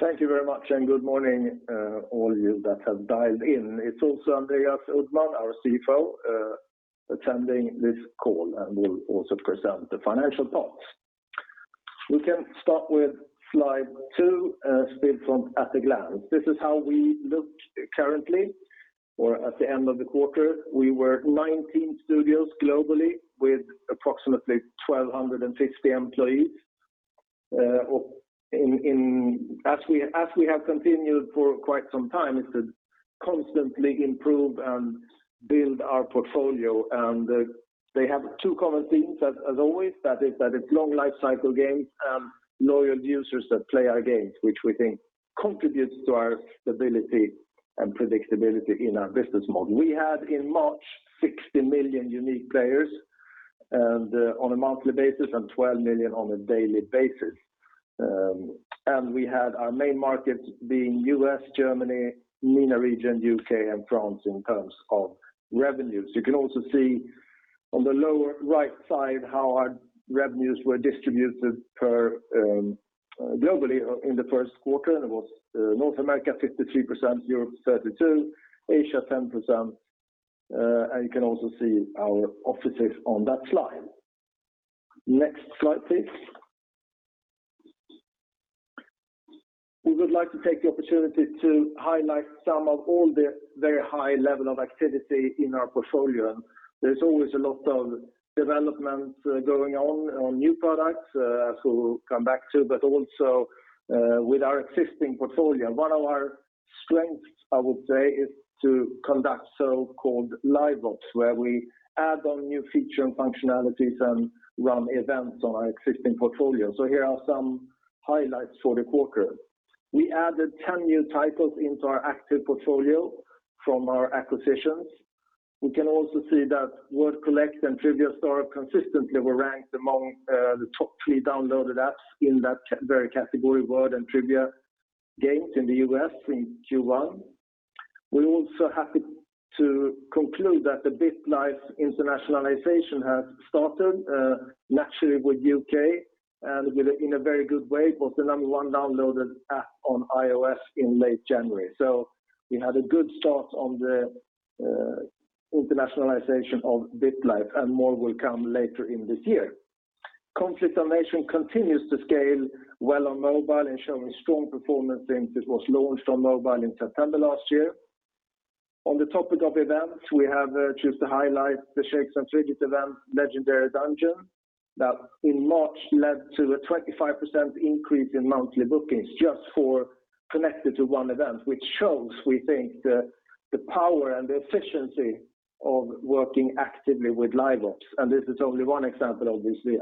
Thank you very much. Good morning all you that have dialed in. It's also Andreas Uddman, our CFO, attending this call and will also present the financial part. We can start with slide two, Stillfront at a glance. This is how we look currently, or at the end of the quarter. We were 19 studios globally with approximately 1,250 employees. As we have continued for quite some time is to constantly improve and build our portfolio, and they have two common themes as always, that it's long lifecycle games and loyal users that play our games, which we think contributes to our stability and predictability in our business model. We had in March, 60 million unique players and on a monthly basis and 12 million on a daily basis. We had our main markets being U.S., Germany, MENA region, U.K., and France in terms of revenues. You can also see on the lower right side how our revenues were distributed globally in the first quarter. It was North America 53%, Europe 32%, Asia 10%. You can also see our offices on that slide. Next slide, please. We would like to take the opportunity to highlight some of all the very high level of activity in our portfolio. There's always a lot of development going on new products, so come back to, but also with our existing portfolio. One of our strengths, I would say, is to conduct so-called LiveOps, where we add on new feature and functionalities and run events on our existing portfolio. Here are some highlights for the quarter. We added 10 new titles into our active portfolio from our acquisitions. We can also see that Word Collect and Trivia Star consistently were ranked among the top three downloaded apps in that very category, word and trivia games in the U.S. in Q1. We are also happy to conclude that the BitLife internationalization has started, naturally with U.K. and in a very good way, was the number one downloaded app on iOS in late January. We had a good start on the internationalization of BitLife, and more will come later in this year. Conflict of Nations continues to scale well on mobile and showing strong performance since it was launched on mobile in September last year. On the topic of events, we have just to highlight the Shakes & Fidget event, Legendary Dungeon, that in March led to a 25% increase in monthly bookings just for connected to one event, which shows, we think, the power and the efficiency of working actively with LiveOps. This is only one example, obviously.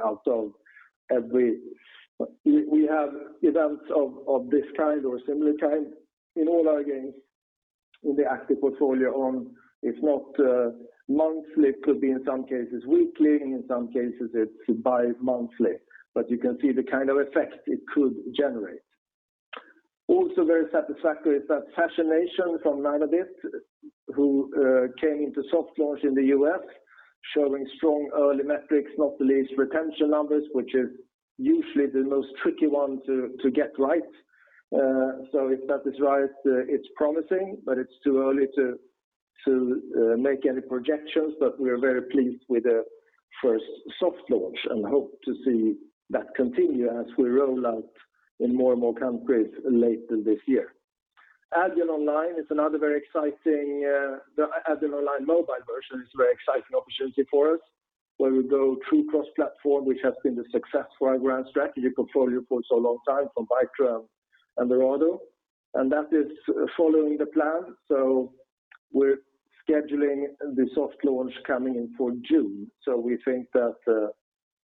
We have events of this kind or similar kind in all our games in the active portfolio on, if not monthly, it could be in some cases weekly, and in some cases it's bi-monthly. You can see the kind of effect it could generate. Also very satisfactory is that Fashion Nation from Nanobit, who came into soft launch in the U.S. showing strong early metrics, not the least retention numbers, which is usually the most tricky one to get right. If that is right, it's promising, but it's too early to make any projections, but we are very pleased with the first soft launch and hope to see that continue as we roll out in more and more countries later this year. Albion Online mobile version is a very exciting opportunity for us, where we go true cross-platform, which has been the successful and grand strategy portfolio for so long time from Bytro and Dorado. That is following the plan, we're scheduling the soft launch coming in for June. We think that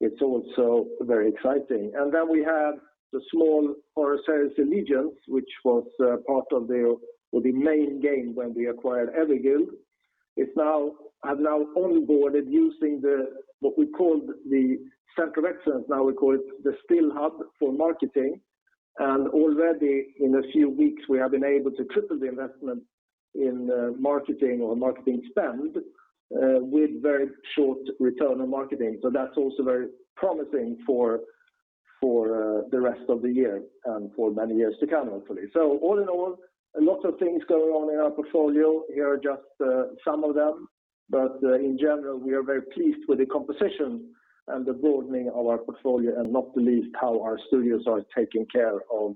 it's also very exciting. We have the small [Forager's Allegiance], which was part of the main game when we acquired Everguild. Have now onboarded using the what we called the center of excellence, now we call it the Stillhub for marketing, and already in a few weeks, we have been able to triple the investment in marketing spend, with very strong return on marketing. That's also very promising for the rest of the year and for many years to come, hopefully. All in all, a lot of things going on in our portfolio. Here are just some of them. In general, we are very pleased with the composition and the broadening of our portfolio and not the least how our studios are taking care of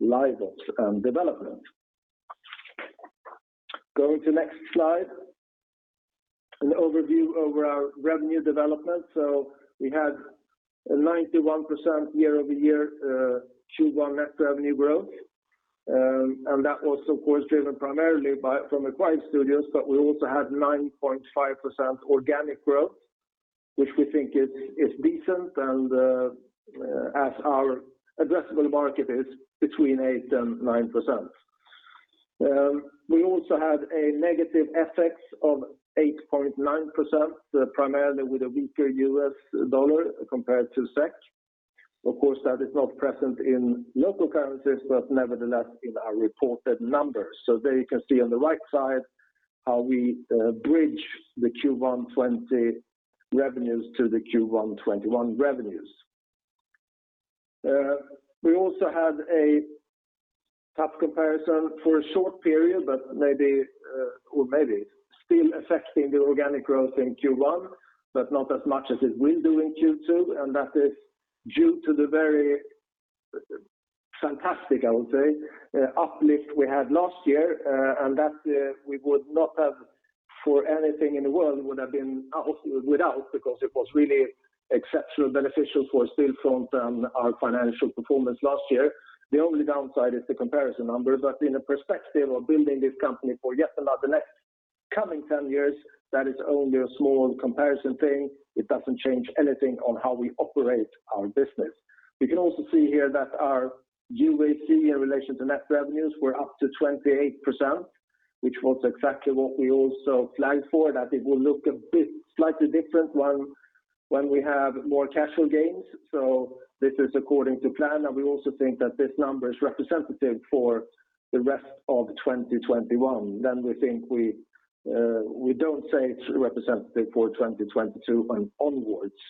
LiveOps and development. Going to next slide. An overview over our revenue development. We had a 91% year-over-year Q1 net revenue growth. That was, of course, driven primarily from acquired studios, but we also had 9.5% organic growth, which we think is decent and as our addressable market is between 8% and 9%. We also had a negative FX of 8.9%, primarily with a weaker U.S. dollar compared to SEK. That is not present in local currencies, but nevertheless in our reported numbers. There you can see on the right side how we bridge the Q1 2020 revenues to the Q1 2021 revenues. We also had a tough comparison for a short period, but maybe still affecting the organic growth in Q1, but not as much as it will do in Q2, and that is due to the very fantastic, I would say, uplift we had last year, and that we would not have, for anything in the world, would have been without because it was really exceptional beneficial for Stillfront and our financial performance last year. The only downside is the comparison number, but in the perspective of building this company for yet another next coming 10 years, that is only a small comparison thing. It doesn't change anything on how we operate our business. We can also see here that our UAC in relation to net revenues were up to 28%, which was exactly what we also flagged for, that it will look slightly different when we have more casual games. This is according to plan, and we also think that this number is representative for the rest of 2021. We think we don't say it's representative for 2022 and onwards.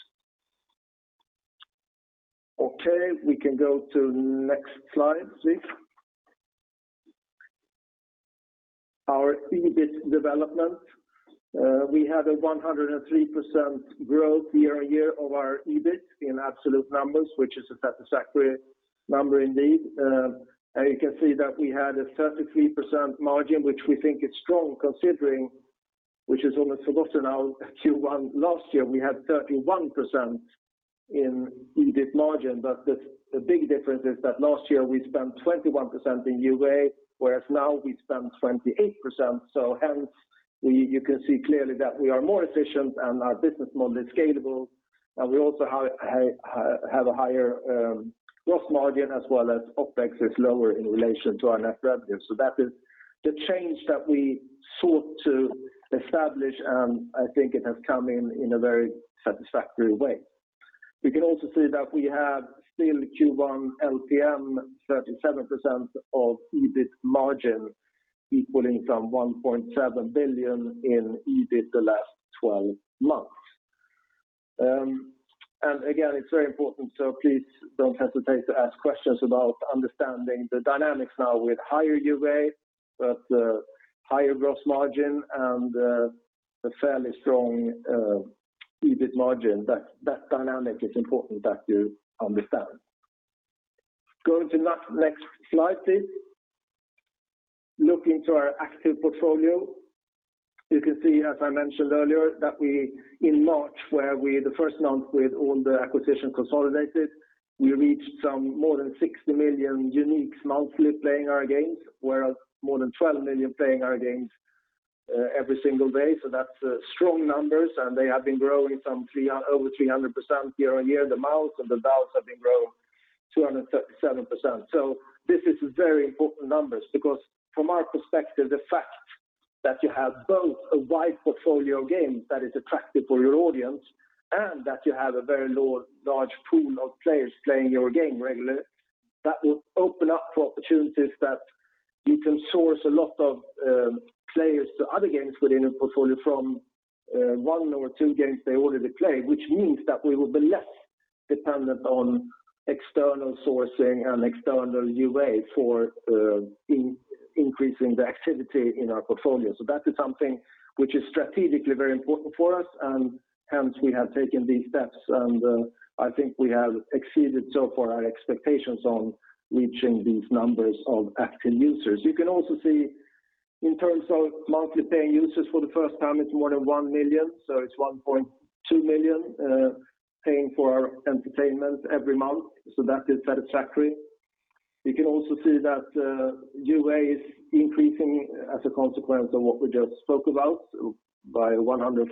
We can go to next slide, please. Our EBIT development. We had a 103% growth year-on-year of our EBIT in absolute numbers, which is a satisfactory number indeed. You can see that we had a 33% margin, which we think is strong considering, which is almost forgotten now, Q1 last year, we had 31% in EBIT margin. The big difference is that last year we spent 21% in UA, whereas now we spend 28%. Hence, you can see clearly that we are more efficient and our business model is scalable, and we also have a higher gross margin as well as OpEx is lower in relation to our net revenues. That is the change that we sought to establish, and I think it has come in in a very satisfactory way. We can also see that we have still Q1 LTM 37% of EBIT margin, equaling some 1.7 billion in EBIT the last 12 months. Again, it's very important, so please don't hesitate to ask questions about understanding the dynamics now with higher UA, but higher gross margin and a fairly strong EBIT margin. That dynamic is important that you understand. Go to next slide, please. Looking to our active portfolio. You can see, as I mentioned earlier, that we, in March, were the first month with all the acquisition consolidated. We reached some more than 60 million unique monthly playing our games, whereas more than 12 million playing our games every single day. That's strong numbers, and they have been growing some over 300% year-on-year. The MAUs and the DAUs have been growing 237%. This is very important numbers because from our perspective, the fact that you have both a wide portfolio of games that is attractive for your audience and that you have a very large pool of players playing your game regularly, that will open up for opportunities that you can source a lot of players to other games within a portfolio from one or two games they already play, which means that we will be less dependent on external sourcing and external UA for increasing the activity in our portfolio. That is something which is strategically very important for us, and hence we have taken these steps, and I think we have exceeded so far our expectations on reaching these numbers of active users. You can also see in terms of monthly paying users for the first time, it's more than 1 million, so it's 1.2 million paying for our entertainment every month. That is satisfactory. You can also see that UA is increasing as a consequence of what we just spoke about by 143%.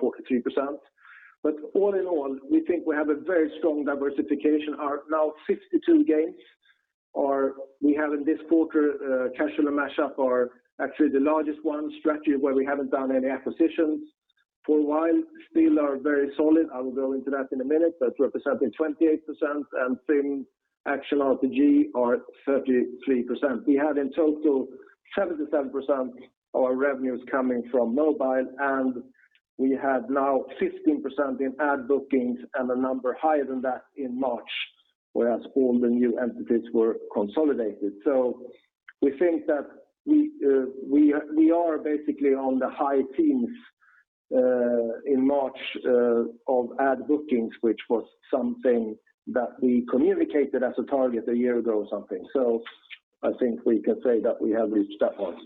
All in all, we think we have a very strong diversification. Our now 52 games, we have in this Casual & Mash-up are actually the largest one, Strategy, where we haven't done any acquisitions for a while, still are very solid. I will go into that in a minute. That's representing 28%, and then Action & RPG are 33%. We had in total 77% of our revenues coming from mobile, and we have now 15% in ad bookings and a number higher than that in March, whereas all the new entities were consolidated. We think that we are basically on the high teens in March of ad bookings, which was something that we communicated as a target a year ago or something. I think we can say that we have reached that one.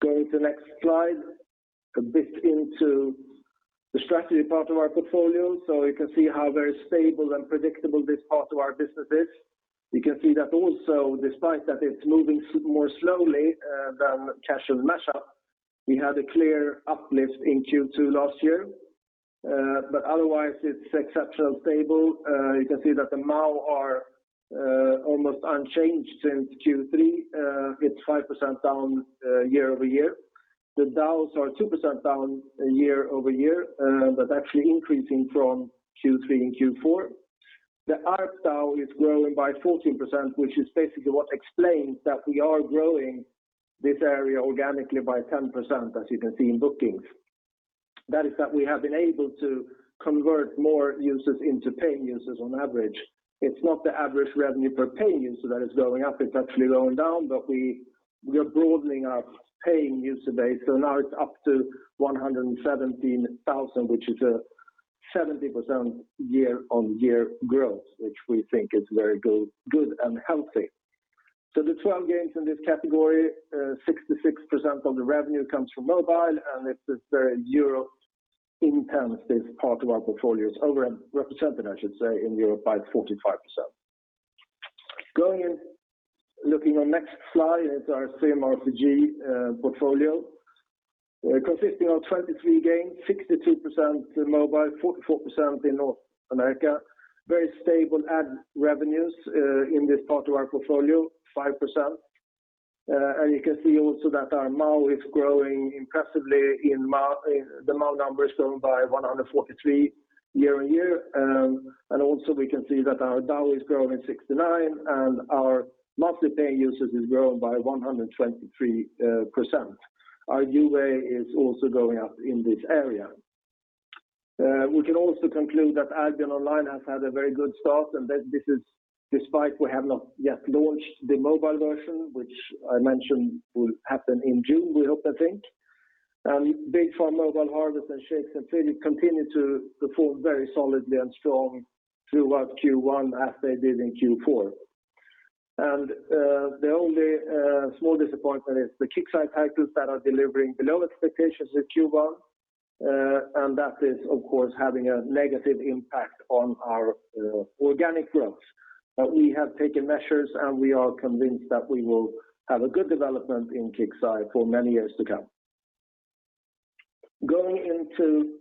Going to next slide, a bit into the Strategy part of our portfolio. You can see how very stable and predictable this part of our business is. You can see that also, despite that it's moving more slowly Casual & Mash-up, we had a clear uplift in Q2 last year. Otherwise, it's exceptionally stable. You can see that the MAU are almost unchanged since Q3. It's 5% down year-over-year. The DAUs are 2% down year-over-year, but actually increasing from Q3 and Q4. The ARPDAU is growing by 14%, which is basically what explains that we are growing this area organically by 10%, as you can see in bookings. That is that we have been able to convert more users into paying users on average. It's not the average revenue per paying user that is going up, it's actually going down, but we are broadening our paying user base. Now it's up to 117,000, which is a 17% year-on-year growth, which we think is very good and healthy. The 12 games in this category, 66% of the revenue comes from mobile, and it is very Europe-intensive. Part of our portfolio is over-represented, I should say, in Europe by 45%. Looking on next slide is our SIM/RPG portfolio, consisting of 23 games, 62% mobile, 44% in North America. Very stable ad revenues in this part of our portfolio, 5%. You can see also that our MAU is growing impressively. The MAU numbers grown by 143% year-on-year. Also we can see that our DAU is growing 69%, and our monthly paying users has grown by 123%. Our UA is also going up in this area. We can also conclude that Albion Online has had a very good start, and that this is despite we have not yet launched the mobile version, which I mentioned will happen in June, we hope to think. Big Farm: Mobile Harvest and Shakes & Fidget continue to perform very solidly and strong throughout Q1 as they did in Q4. The only small disappointment is the KIXEYE titles that are delivering below expectations in Q1. That is, of course, having a negative impact on our organic growth. We have taken measures, and we are convinced that we will have a good development in KIXEYE for many years to come. Going into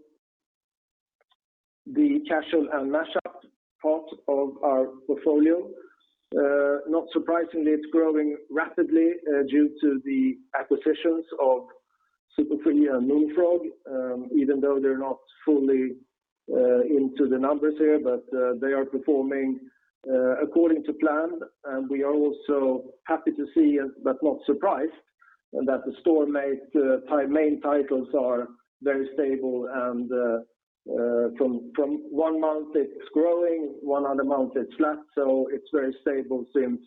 the Casual & Mash-up part of our portfolio. Not surprisingly, it's growing rapidly due to the acquisitions of Super Free and Moonfrog, even though they're not fully into the numbers here, but they are performing according to plan. We are also happy to see, but not surprised, that the Storm8 main titles are very stable, and from one month it's growing, one other month it's flat. It's very stable since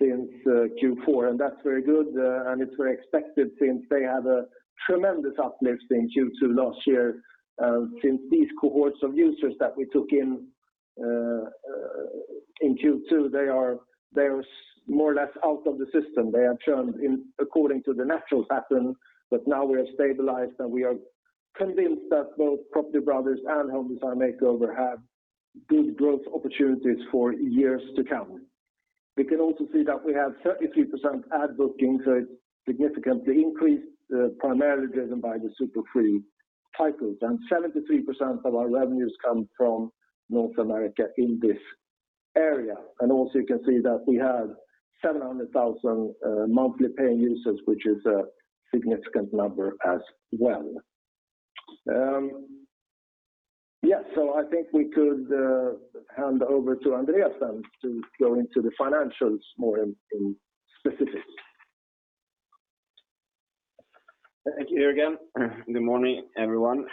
Q4, and that's very good. It's very expected since they had a tremendous uplift in Q2 last year. Since these cohorts of users that we took in Q2, they are more or less out of the system. They have churned according to the natural pattern, but now we are stabilized, and we are convinced that both Property Brothers and Home Design Makeover have big growth opportunities for years to come. We can also see that we have 33% ad bookings, so it's significantly increased, primarily driven by the Super Free titles, and 73% of our revenues come from North America in this area. You can see that we have 700,000 monthly paying users, which is a significant number as well. I think we could hand over to Andreas then to go into the financials more in specifics. Thank you, Jörgen. Good morning, everyone.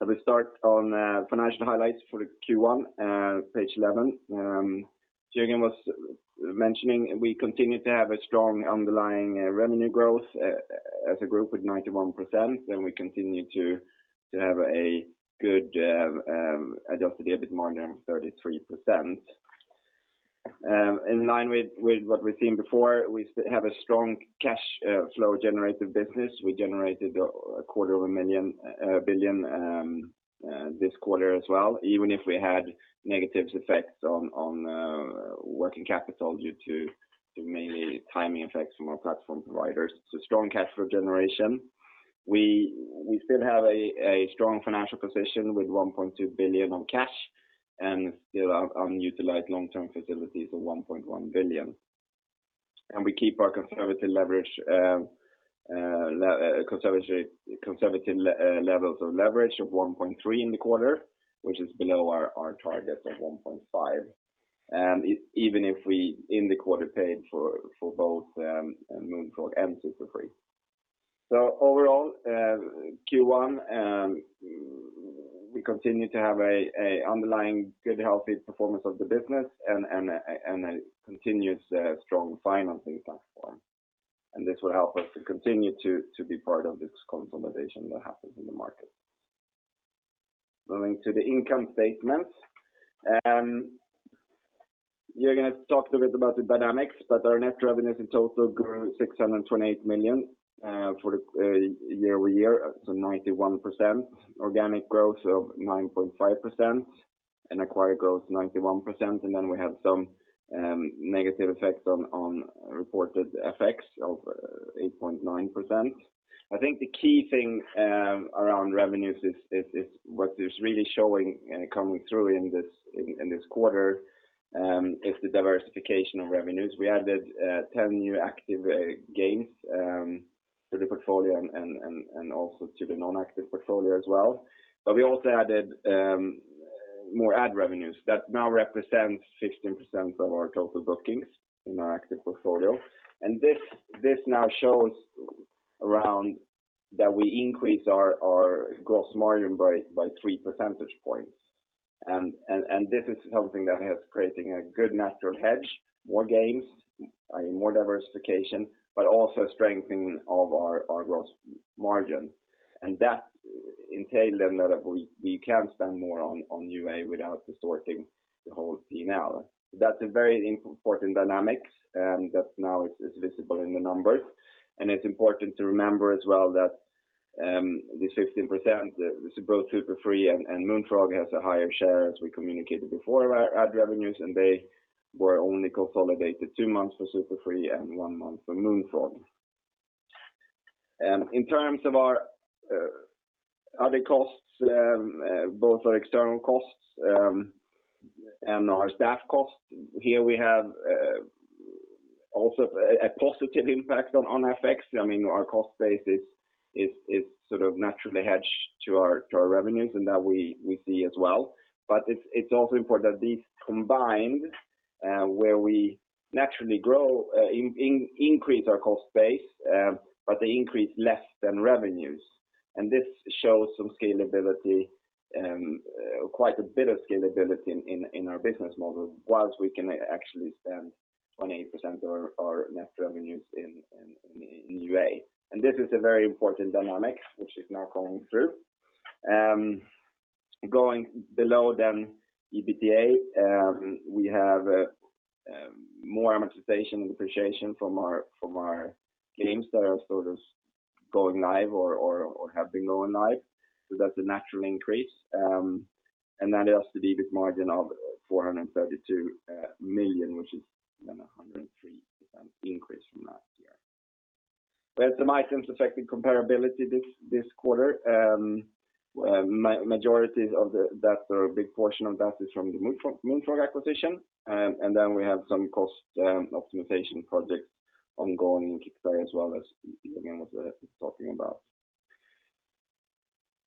We start on financial highlights for the Q1, page 11. Jörgen was mentioning we continue to have a strong underlying revenue growth as a group with 91%, and we continue to have a good adjusted EBITDA, more than 33%. In line with what we've seen before, we have a strong cash flow generative business. We generated SEK quarter of a billion this quarter as well, even if we had negative effects on working capital due to mainly timing effects from our platform providers. Strong cash flow generation. We still have a strong financial position with 1.2 billion on cash and still unutilized long-term facilities of 1.1 billion. We keep our conservative levels of leverage of 1.3 in the quarter, which is below our target of 1.5, and even if we in the quarter paid for both Moonfrog and Super Free. Overall, Q1, we continue to have an underlying good, healthy performance of the business and a continuous strong financing platform. This will help us to continue to be part of this consolidation that happens in the market. Moving to the income statement. Jörgen has talked a bit about the dynamics, but our net revenues in total grew to 628 million for the year-over-year, so 91%. Organic growth of 9.5%, and acquired growth 91%. We have some negative effects on reported effects of 8.9%. I think the key thing around revenues is what is really showing and coming through in this quarter, is the diversification of revenues. We added 10 new active games to the portfolio and also to the non-active portfolio as well. We also added more ad revenues that now represents 15% of our total bookings in our active portfolio. This now shows around that we increase our gross margin by 3 percentage points. This is something that is creating a good natural hedge, more games, more diversification, but also strengthening of our gross margin. That entailed then that we can spend more on UA without distorting the whole P&L. That's a very important dynamic, and that now is visible in the numbers. It's important to remember as well that this 15%, both Super Free and Moonfrog, has a higher share, as we communicated before, our ad revenues, and they were only consolidated two months for Super Free and one month for Moonfrog. In terms of our other costs, both our external costs and our staff costs, here we have also a positive impact on FX. Our cost base is naturally hedged to our revenues, and that we see as well. It's also important that these combined, where we naturally grow, increase our cost base, but they increase less than revenues. This shows some scalability, quite a bit of scalability in our business model, whilst we can actually spend 28% of our net revenues in UA. This is a very important dynamic which is now coming through. Going below EBITDA, we have more amortization and depreciation from our games that are sort of going live or have been going live. That's a natural increase. That gives us the EBIT margin of 432 million, which is then 103% increase from last year. We have some items affecting comparability this quarter. Majority of that or a big portion of that is from the Moonfrog acquisition. Then we have some cost optimization projects ongoing in KIXEYE as well, as again, what Jörgen was talking about.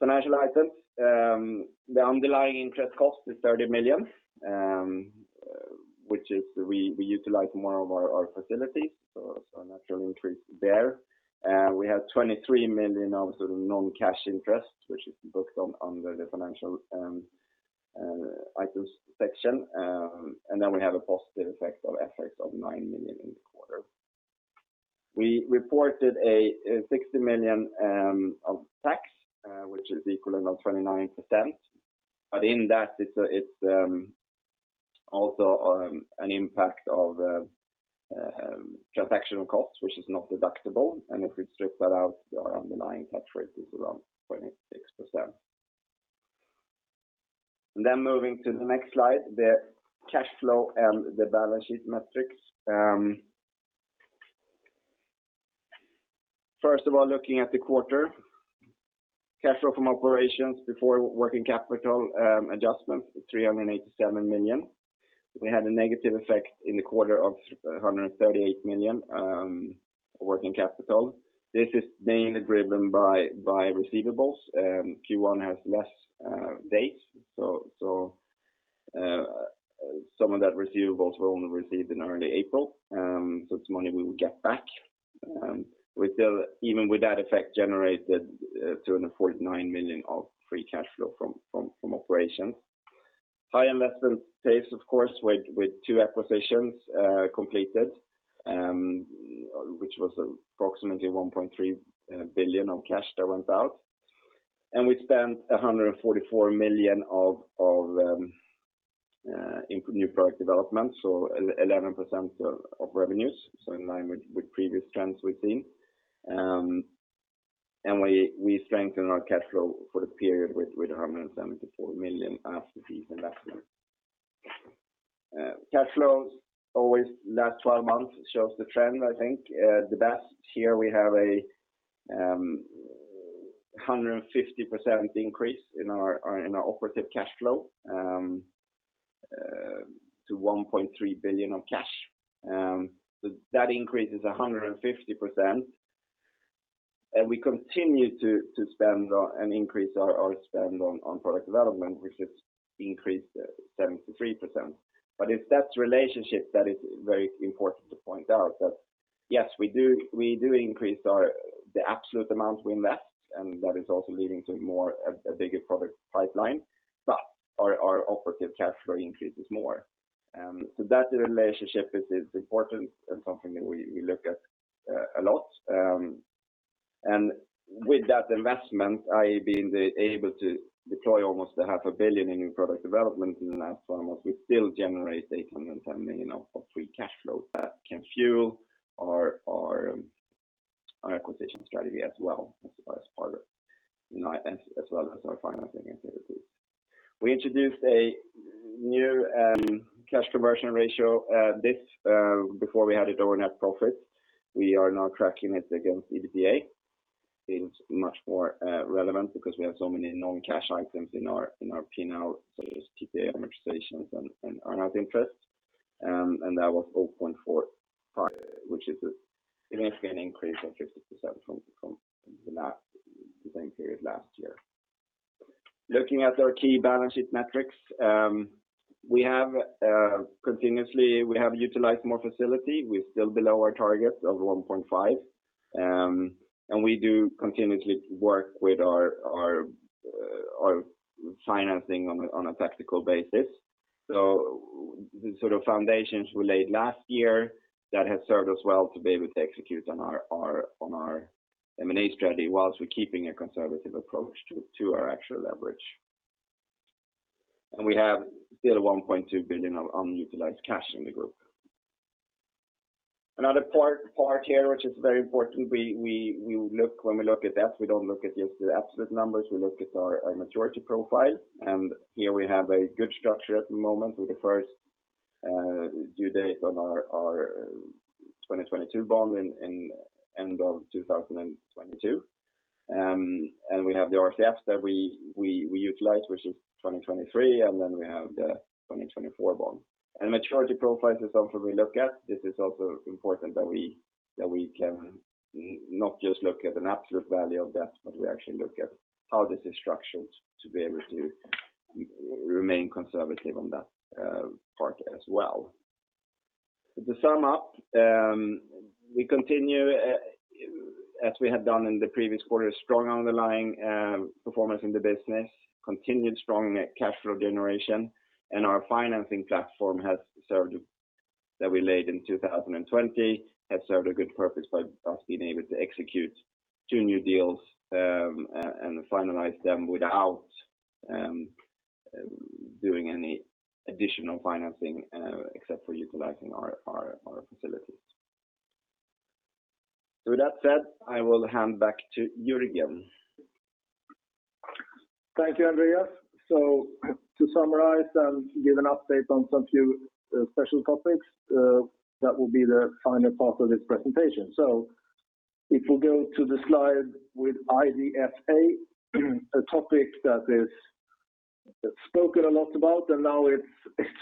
Financial items. The underlying interest cost is 30 million, which is we utilize more of our facilities, a natural increase there. We have 23 million of non-cash interest, which is booked under the financial items section. We have a positive effect of FX of 9 million in the quarter. We reported 60 million of tax, which is equivalent of 29%. In that, it's also an impact of transaction costs, which is not deductible. If we strip that out, our underlying tax rate is around 26%. Moving to the next slide, the cash flow and the balance sheet metrics. First of all, looking at the quarter, cash flow from operations before working capital adjustments is 387 million. We had a negative effect in the quarter of 138 million working capital. This is mainly driven by receivables. Q1 has less days, so some of that receivables were only received in early April, so it's money we will get back. Even with that effect generated 249 million of free cash flow from operations. High investment pace, of course, with two acquisitions completed, which was approximately 1.3 billion of cash that went out. We spent 144 million of new product development, 11% of revenues, so in line with previous trends we've seen. We strengthened our cash flow for the period with 174 million after these investments. Cash flows, always last 12 months shows the trend, I think, the best. Here we have a 150% increase in our operative cash flow to 1.3 billion of cash. That increase is 150%. We continue to spend and increase our spend on product development, which has increased 73%. It's that relationship that is very important to point out that, yes, we do increase the absolute amount we invest. That is also leading to a bigger product pipeline. Our operative cash flow increases more. That relationship is important and something that we look at a lot. With that investment, i.e. being able to deploy almost half a billion in new product development in the last 12 months, we still generate 810 million of free cash flow that can fuel our acquisition strategy as well as our financing activities. We introduced a new cash conversion ratio. This, before we had it over net profits. We are now tracking it against EBITDA. It seems much more relevant because we have so many non-cash items in our P&L, such as PPA amortizations and earnout interest. That was 0.45, which is effectively an increase of 50% from the same period last year. Looking at our key balance sheet metrics, continuously, we have utilized more facility. We are still below our target of 1.5, and we do continuously work with our financing on a tactical basis. The foundations we laid last year, that has served us well to be able to execute on our M&A strategy while we are keeping a conservative approach to our actual leverage. We have still 1.2 billion of unutilized cash in the group. Another part here which is very important, when we look at debt, we do not look at just the absolute numbers, we look at our maturity profile. Here we have a good structure at the moment with the first due date on our 2022 bond in end of 2022. We have the RCF that we utilize, which is 2023, and then we have the 2024 bond. Maturity profile is something we look at. This is also important that we can not just look at an absolute value of debt, but we actually look at how this is structured to be able to remain conservative on that part as well. To sum up, we continue, as we have done in the previous quarter, strong underlying performance in the business, continued strong cash flow generation, and our financing platform that we laid in 2020, has served a good purpose by us being able to execute two new deals, and finalize them without doing any additional financing except for utilizing our facilities. With that said, I will hand back to Jörgen. Thank you, Andreas. To summarize and give an update on some few special topics, that will be the final part of this presentation. If we go to the slide with IDFA, a topic that is spoken a lot about, and now it's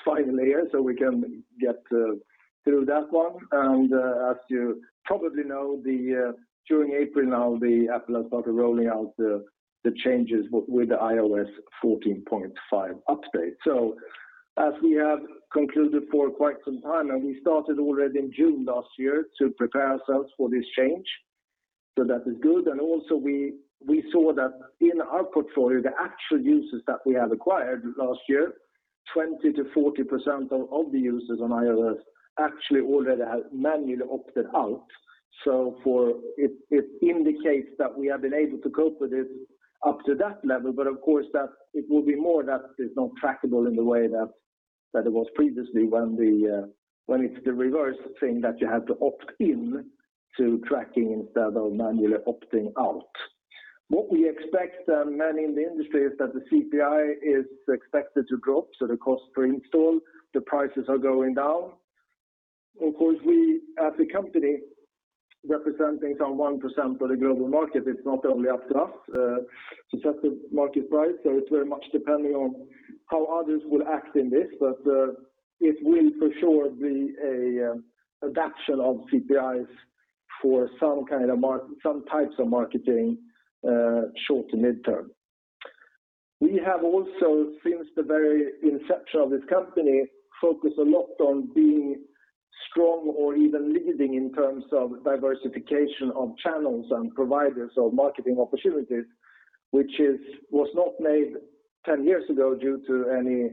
finally here, so we can get through that one. As you probably know, during April now, Apple has started rolling out the changes with the iOS 14.5 update. As we have concluded for quite some time now, we started already in June last year to prepare ourselves for this change, so that is good. Also we saw that in our portfolio, the actual users that we have acquired last year, 20%-40% of the users on iOS actually already have manually opted out. It indicates that we have been able to cope with this up to that level. Of course, it will be more that it's not trackable in the way that it was previously when it's the reverse thing that you have to opt in to tracking instead of manually opting out. What we expect, and many in the industry, is that the CPI is expected to drop, so the cost per install, the prices are going down. Of course, we as a company representing some 1% of the global market, it's not only up to us to set the market price. It's very much depending on how others will act in this. It will for sure be an adaptation of CPIs for some types of marketing, short to mid-term. We have also, since the very inception of this company, focused a lot on being strong or even leading in terms of diversification of channels and providers of marketing opportunities, which was not made 10 years ago due to any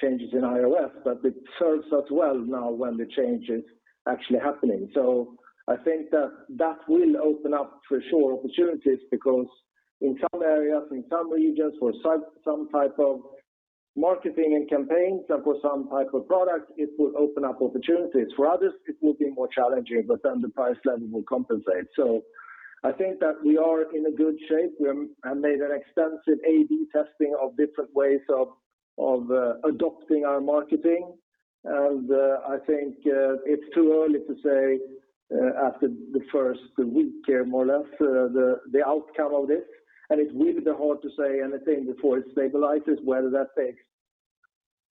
changes in iOS, but it serves us well now when the change is actually happening. I think that will open up, for sure, opportunities because in some areas, in some regions, for some type of marketing and campaigns and for some type of products, it will open up opportunities. For others, it will be more challenging, but then the price level will compensate. I think that we are in a good shape. We have made an extensive A/B testing of different ways of adopting our marketing. I think it's too early to say after the first week here, more or less, the outcome of this. It will be hard to say anything before it stabilizes, whether that takes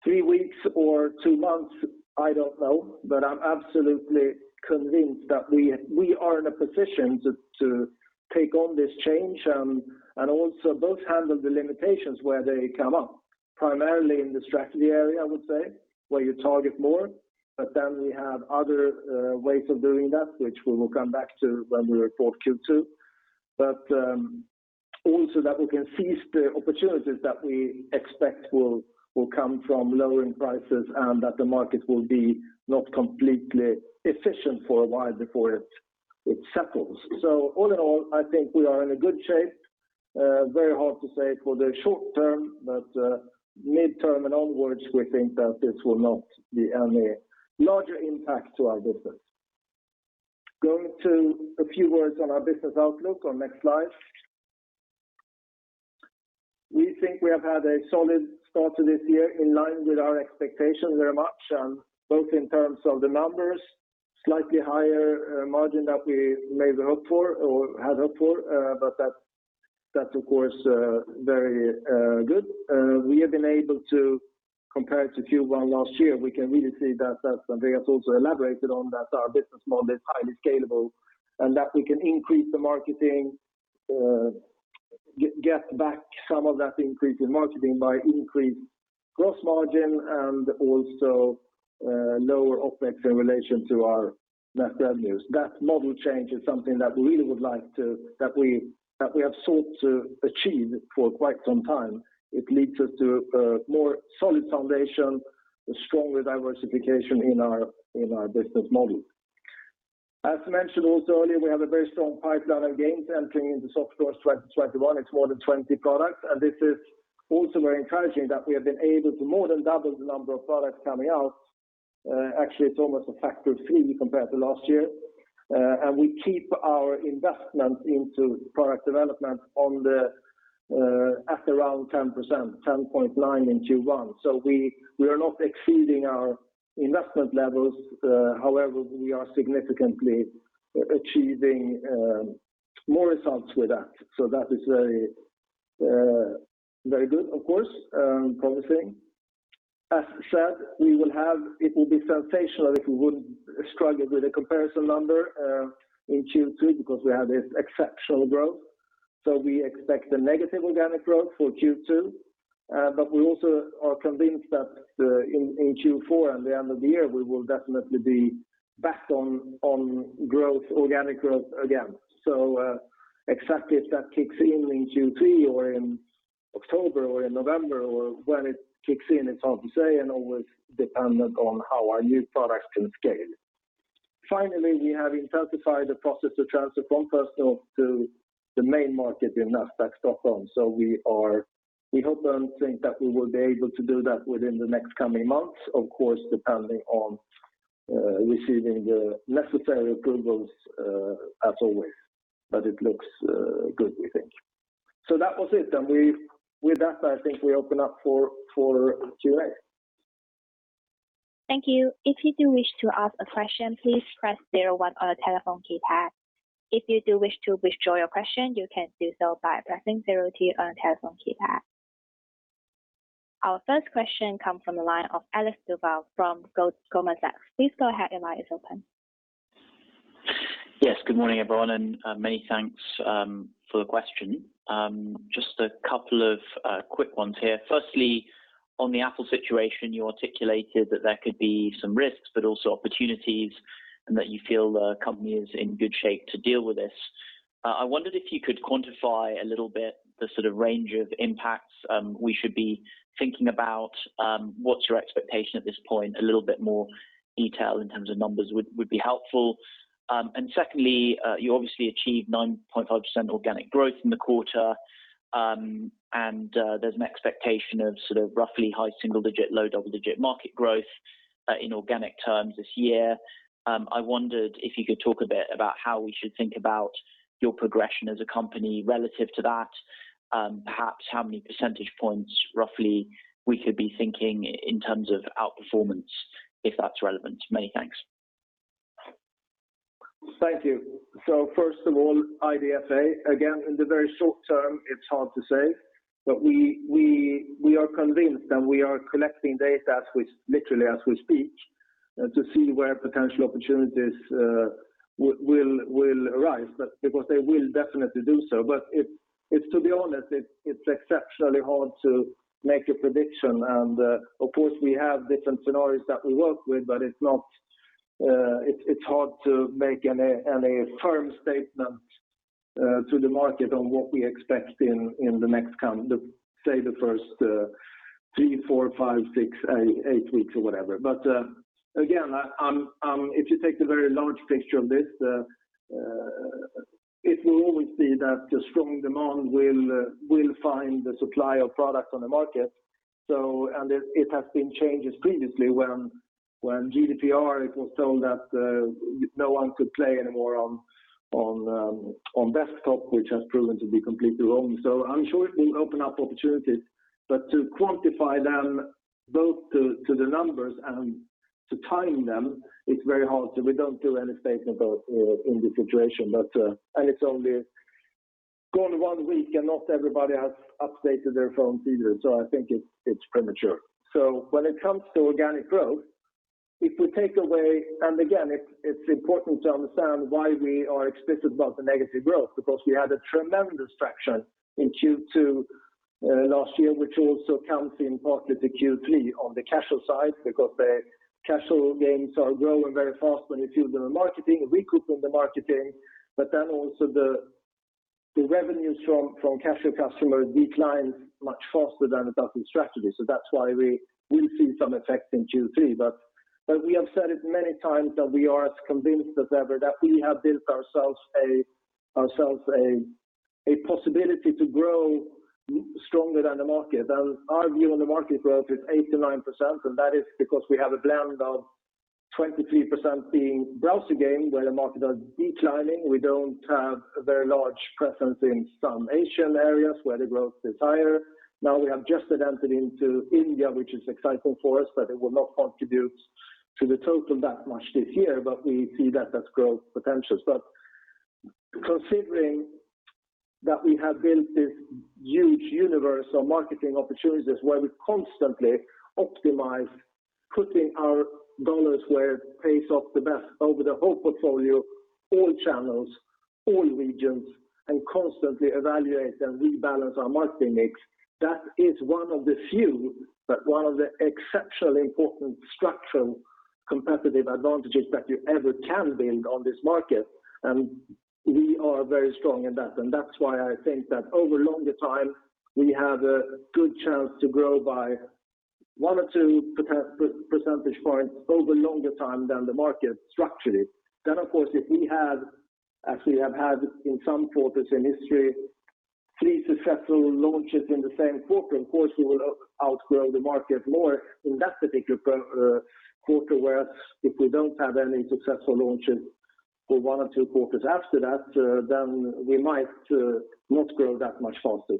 three weeks or two months, I don't know. I'm absolutely convinced that we are in a position to take on this change and also both handle the limitations where they come up, primarily in the strategy area, I would say, where you target more. We have other ways of doing that, which we will come back to when we report Q2. Also that we can seize the opportunities that we expect will come from lowering prices and that the market will be not completely efficient for a while before it settles. All in all, I think we are in a good shape. Very hard to say for the short term, but mid-term and onwards, we think that this will not be any larger impact to our business. Going to a few words on our business outlook on next slide. We think we have had a solid start to this year in line with our expectations very much, both in terms of the numbers, slightly higher margin that we may have hoped for or had hoped for, but that's of course very good. We have been able to compare it to Q1 last year. We can really see that, and we have also elaborated on that our business model is highly scalable and that we can increase the marketing, get back some of that increase in marketing by increased gross margin and also lower OpEx in relation to our net revenues. That model change is something that we have sought to achieve for quite some time. It leads us to a more solid foundation, a stronger diversification in our business model. As mentioned also earlier, we have a very strong pipeline of games entering into soft launch 2021. This is also very encouraging that we have been able to more than double the number of products coming out. It's almost a factor of three compared to last year. We keep our investment into product development at around 10%, 10.9% in Q1. We are not exceeding our investment levels. However, we are significantly achieving more results with that. That is very good, of course, promising. As said, it will be sensational if we wouldn't struggle with a comparison number in Q2 because we have this exceptional growth. We also are convinced that in Q4 and the end of the year, we will definitely be back on organic growth again. Exactly if that kicks in in Q3 or in October or in November or when it kicks in, it's hard to say and always dependent on how our new products can scale. Finally, we have intensified the process to transfer from First North to the main market in Nasdaq Stockholm. We hope and think that we will be able to do that within the next coming months, of course, depending on receiving the necessary approvals as always. It looks good, we think. That was it, and with that, I think we open up for Q&A. Thank you. If you do wish to ask a question, please press zero one on the telephone keypad. If you do wish to withdraw your question, you can do so by pressing zero two on the telephone keypad. Our first question comes from the line of Alex Duval from Goldman Sachs. Please go ahead. Your line is open. Good morning, everyone, many thanks for the question. Just a couple of quick ones here. Firstly, on the Apple situation, you articulated that there could be some risks, but also opportunities, and that you feel the company is in good shape to deal with this. I wondered if you could quantify a little bit the sort of range of impacts we should be thinking about. What's your expectation at this point? A little bit more detail in terms of numbers would be helpful. Secondly, you obviously achieved 9.5% organic growth in the quarter, and there's an expectation of sort of roughly high single-digit, low double-digit market growth in organic terms this year. I wondered if you could talk a bit about how we should think about your progression as a company relative to that. Perhaps how many percentage points roughly we could be thinking in terms of outperformance, if that's relevant. Many thanks. Thank you. First of all, IDFA, again, in the very short term, it's hard to say, but we are convinced, and we are collecting data literally as we speak to see where potential opportunities will arise, because they will definitely do so. To be honest, it's exceptionally hard to make a prediction, and of course, we have different scenarios that we work with, but it's hard to make any firm statement to the market on what we expect in the next, say, the first three, four, five, six, eight weeks or whatever. Again, if you take the very large picture of this, it will always be that the strong demand will find the supply of products on the market. It has been changes previously when GDPR, it was told that no one could play anymore on desktop, which has proven to be completely wrong. I'm sure it will open up opportunities. To quantify them both to the numbers and to time them, it's very hard to. We don't do any statement in this situation. It's only gone one week, and not everybody has updated their phones either. I think it's premature. When it comes to organic growth, if we take away, and again, it's important to understand why we are explicit about the negative growth, because we had a tremendous traction in Q2 last year, which also comes in partly to Q3 on the casual side, because the casual games are growing very fast when you fuel the marketing and recoup on the marketing. Also the revenues from casual customers decline much faster than the strategy games. That's why we will see some effect in Q3. We have said it many times that we are as convinced as ever that we have built ourselves a possibility to grow stronger than the market. Our view on the market growth is 8%-9%, and that is because we have a blend of 23% being browser game where the market are declining. We don't have a very large presence in some Asian areas where the growth is higher. Now we have just entered into India, which is exciting for us, but it will not contribute to the total that much this year, but we see that has growth potential. Considering that we have built this huge universe of marketing opportunities where we constantly optimize putting our dollars where it pays off the best over the whole portfolio, all channels, all regions, and constantly evaluate and rebalance our marketing mix, that is one of the few, but one of the exceptionally important structural competitive advantages that you ever can build on this market, and we are very strong in that. That's why I think that over longer time, we have a good chance to grow by one or two percentage points over longer time than the market structurally. Of course, if we have, as we have had in some quarters in history, three successful launches in the same quarter, of course, we will outgrow the market more in that particular quarter, whereas if we don't have any successful launches for one or two quarters after that, then we might not grow that much faster.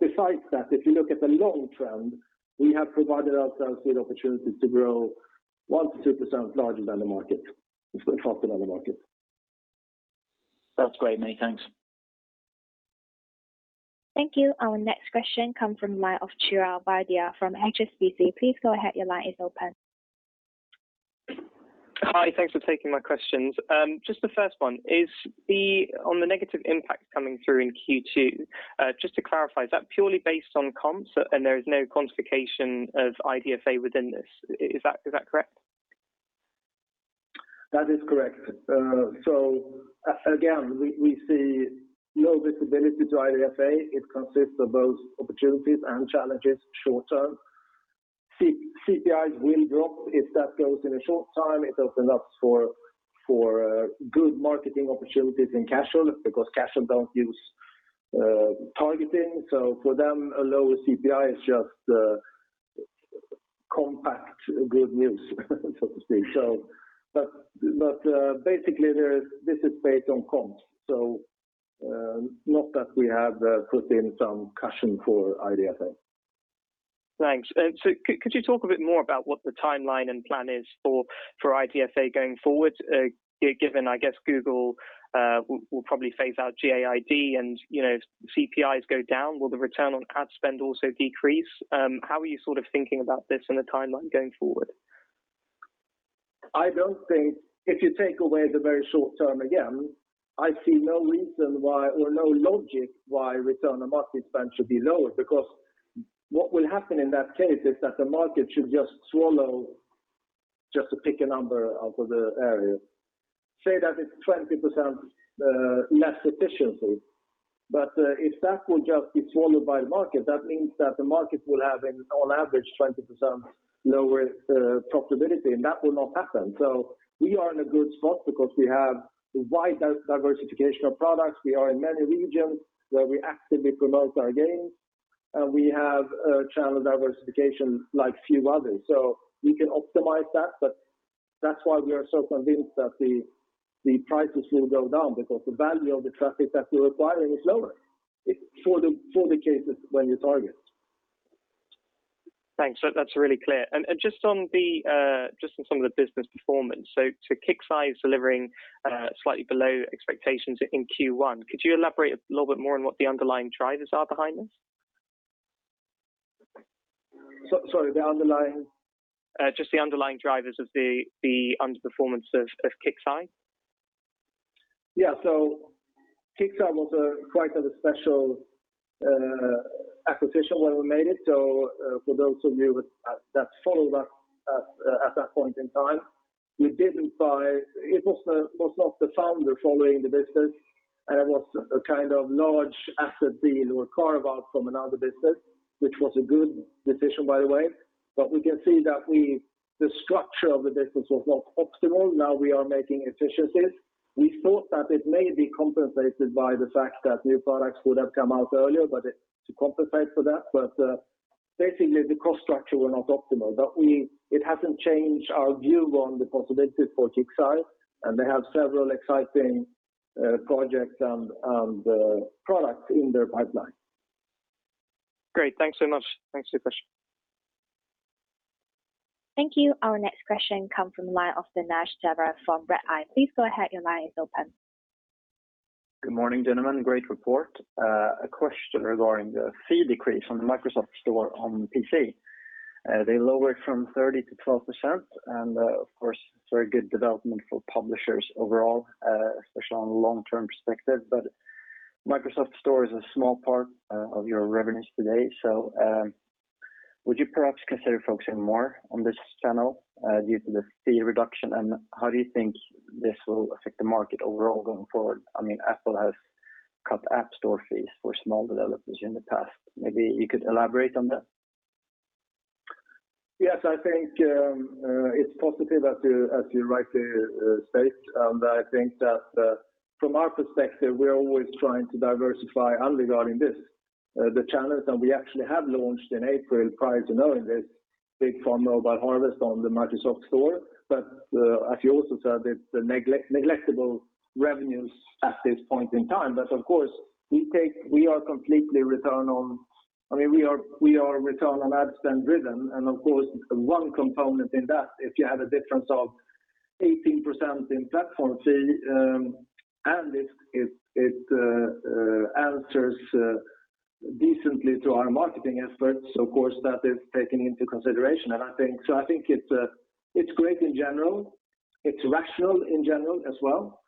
Besides that, if you look at the long trend, we have provided ourselves with opportunities to grow 1%-2% faster than the market. That's great. Many tHanks. Thank you. Our next question come from the line of Chirag Vadhia from HSBC. Please go ahead. Your line is open. Hi. Thanks for taking my questions. Just the first one, on the negative impact coming through in Q2, just to clarify, is that purely based on comps, and there is no quantification of IDFA within this? Is that correct? That is correct. Again, we see low visibility to IDFA. It consists of both opportunities and challenges short term. CPIs will drop if that goes in a short time. It opens up for good marketing opportunities in casual because casual don't use targeting. For them, a lower CPI is just compact good news, so to speak. Basically, this is based on comps, so not that we have put in some cushion for IDFA. Thanks. Could you talk a bit more about what the timeline and plan is for IDFA going forward, given, I guess Google will probably phase out GAID and CPIs go down, will the return on ad spend also decrease? How are you sort of thinking about this and the timeline going forward? If you take away the very short term, again, I see no reason why or no logic why return on market spend should be lower, because what will happen in that case is that the market should just swallow, just to pick a number out of the area, say that it's 20% less efficiency. If that will just be swallowed by the market, that means that the market will have on average 20% lower profitability, and that will not happen. We are in a good spot because we have wide diversification of products. We are in many regions where we actively promote our games, and we have channel diversification like few others. We can optimize that, but that's why we are so convinced that the prices will go down because the value of the traffic that we're acquiring is lower for the cases when you target. Thanks. That's really clear. Just on some of the business performance, to KIXEYE delivering slightly below expectations in Q1, could you elaborate a little bit more on what the underlying drivers are behind this? Sorry, the underlying? Just the underlying drivers of the underperformance of KIXEYE. KIXEYE was quite a special acquisition when we made it. For those of you that followed us at that point in time, it was not the founder following the business, and it was a kind of large asset deal or carve-out from another business, which was a good decision, by the way. We can see that the structure of the business was not optimal. Now we are making efficiencies. We thought that it may be compensated by the fact that new products would have come out earlier to compensate for that. Basically, the cost structure were not optimal. It hasn't changed our view on the possibilities for KIXEYE, and they have several exciting projects and products in their pipeline. Great. Thanks so much. Thanks for your question. Thank you. Our next question come from the line of Danesh Zare from Redeye. Please go ahead. Your line is open. Good morning, gentlemen. Great report. A question regarding the fee decrease on the Microsoft Store on PC. They lowered from 30% to 12%. Of course, it's very good development for publishers overall, especially on a long-term perspective. Microsoft Store is a small part of your revenues today. Would you perhaps consider focusing more on this channel due to the fee reduction? How do you think this will affect the market overall going forward? Apple has cut App Store fees for small developers in the past. Maybe you could elaborate on that. Yes, I think it's positive as you rightly state, and I think that from our perspective, we are always trying to diversify regarding the channels that we actually have launched in April prior to knowing this, Big Farm: Mobile Harvest on the Microsoft Store. As you also said, it's negligible revenues at this point in time. Of course, we are return on ad spend driven, and of course, one component in that, if you have a difference of 18% in platform fee, and it answers decently to our marketing efforts, of course, that is taken into consideration. I think it's great in general. It's rational in general as well.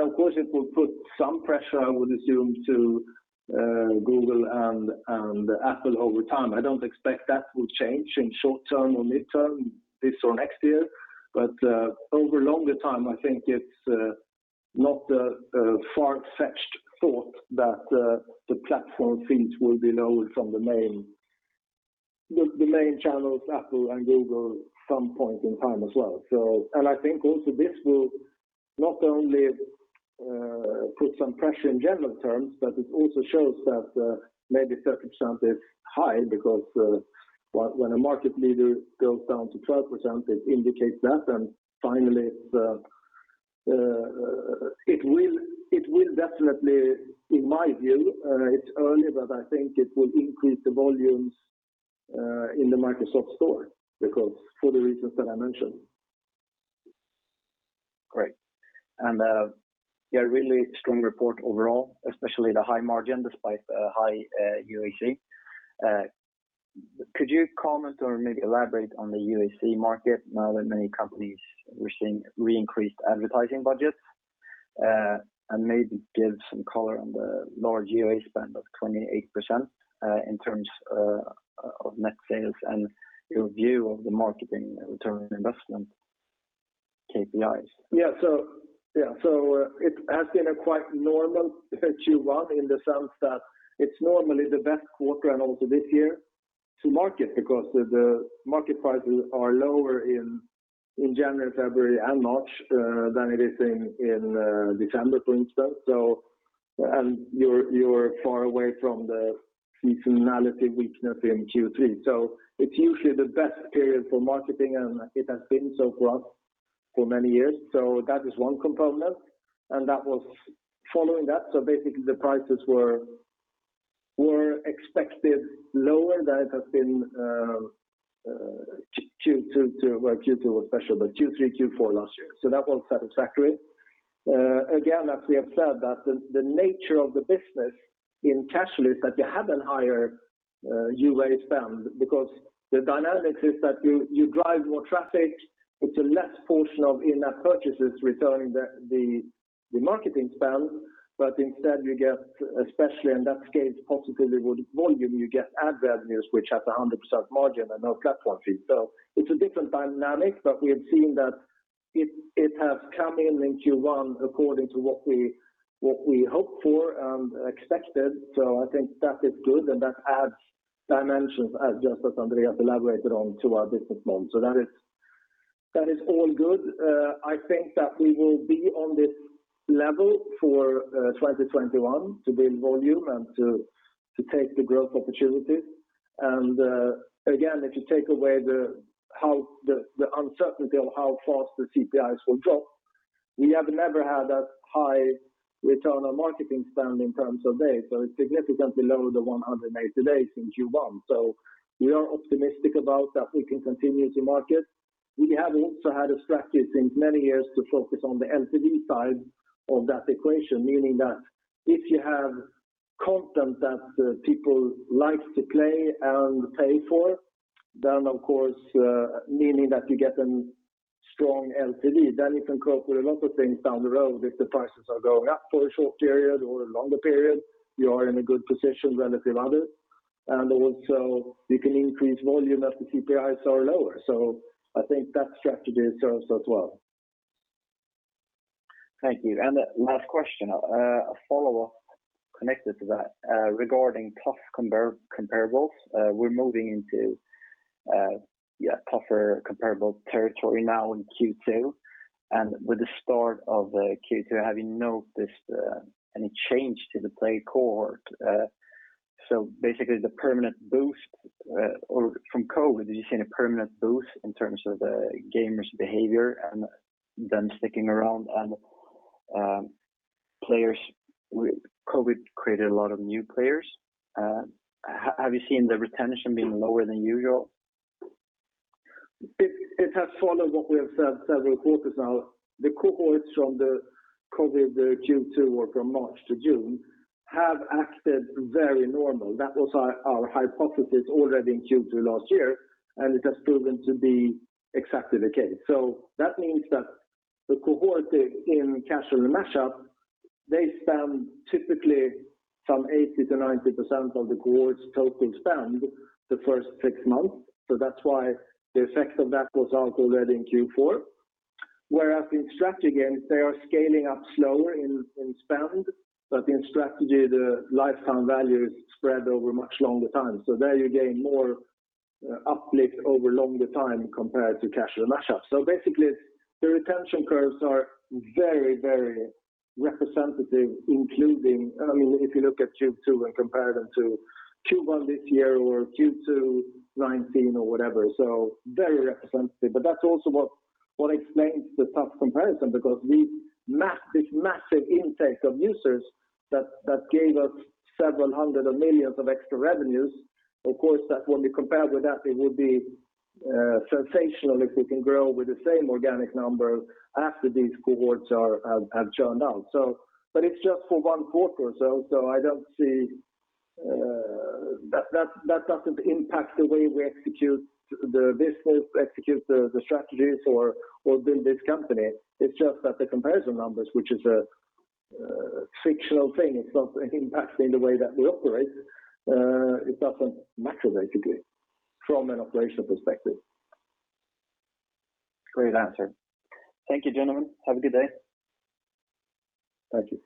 Of course, it will put some pressure, I would assume, to Google and Apple over time. I don't expect that will change in short-term or mid-term, this or next year. Over longer time, I think it's not a far-fetched thought that the platform fees will be lowered from the main channels, Apple and Google, some point in time as well. I think also this will not only put some pressure in general terms, but it also shows that maybe 30% is high because when a market leader goes down to 12%, it indicates that. Finally, it will definitely, in my view, it's early, but I think it will increase the volumes in the Microsoft Store for the reasons that I mentioned. Great. Really strong report overall, especially the high margin despite high UAC. Could you comment or maybe elaborate on the UAC market now that many companies we're seeing re-increased advertising budgets, and maybe give some color on the large UA spend of 28% in terms of net sales and your view of the marketing return on investment KPIs? Yeah. It has been a quite normal Q1 in the sense that it's normally the best quarter and also this year to market because the market prices are lower in January, February and March than it is in December, for instance. You're far away from the seasonality weakness in Q3. It's usually the best period for marketing, and it has been so for us for many years. That is one component. Following that, basically the prices were expected lower than it has been, well Q2 was special, but Q3, Q4 last year. That was satisfactory. As we have said that the nature of the business in casual is that you have a higher UA spend because the dynamics is that you drive more traffic with a less portion of in-app purchases returning the marketing spend, but instead you get, especially in that case, possibly with volume, you get ad revenues which has 100% margin and no platform fee. It's a different dynamic, but we have seen that it has come in in Q1 according to what we hoped for and expected. I think that is good and that adds dimensions as just as Andreas elaborated on to our business model. That is all good. I think that we will be on this level for 2021 to build volume and to take the growth opportunities. Again, if you take away the uncertainty of how fast the CPIs will drop, we have never had that high return on marketing spend in terms of days. It's significantly lower the 180 days in Q1. We are optimistic about that we can continue to market. We have also had a strategy since many years to focus on the LTV side of that equation, meaning that if you have content that people like to play and pay for, then of course, meaning that you get a strong LTV, then you can cope with a lot of things down the road. If the prices are going up for a short period or a longer period, you are in a good position relative others. Also you can increase volume as the CPIs are lower. I think that strategy serves us well. Thank you. Last question, a follow-up connected to that regarding tough comparables. We're moving into tougher comparable territory now in Q2. With the start of Q2, have you noticed any change to the play cohort? Basically the permanent boost, or from COVID, did you see any permanent boost in terms of the gamers behavior and them sticking around and COVID created a lot of new players? Have you seen the retention being lower than usual? It has followed what we have said several quarters now. The cohorts from the COVID Q2 or from March to June have acted very normal. That was our hypothesis already in Q2 last year. It has proven to be exactly the case. That means that the cohort in Casual & Mash-up, they spend typically 80%-90% of the cohort's total spend the first six months. That's why the effect of that was out already in Q4. In strategy games, they are scaling up slower in spend. In strategy, the lifetime value is spread over much longer time. There you gain more uplift over longer time compared to Casual & Mash-up. Basically, the retention curves are very representative, including if you look at Q2 and compare them to Q1 this year or Q2 2019 or whatever, very representative. That's also what explains the tough comparison, because this massive intake of users that gave us several hundred of millions of extra revenues, of course, when we compared with that, it would be sensational if we can grow with the same organic number after these cohorts have churned out. It's just for one quarter, so that doesn't impact the way we execute the business, execute the strategies, or build this company. It's just that the comparison numbers, which is a fictional thing, it's not impacting the way that we operate. It doesn't matter, basically, from an operational perspective. Great answer. Thank you, gentlemen. Have a good day. Thank you.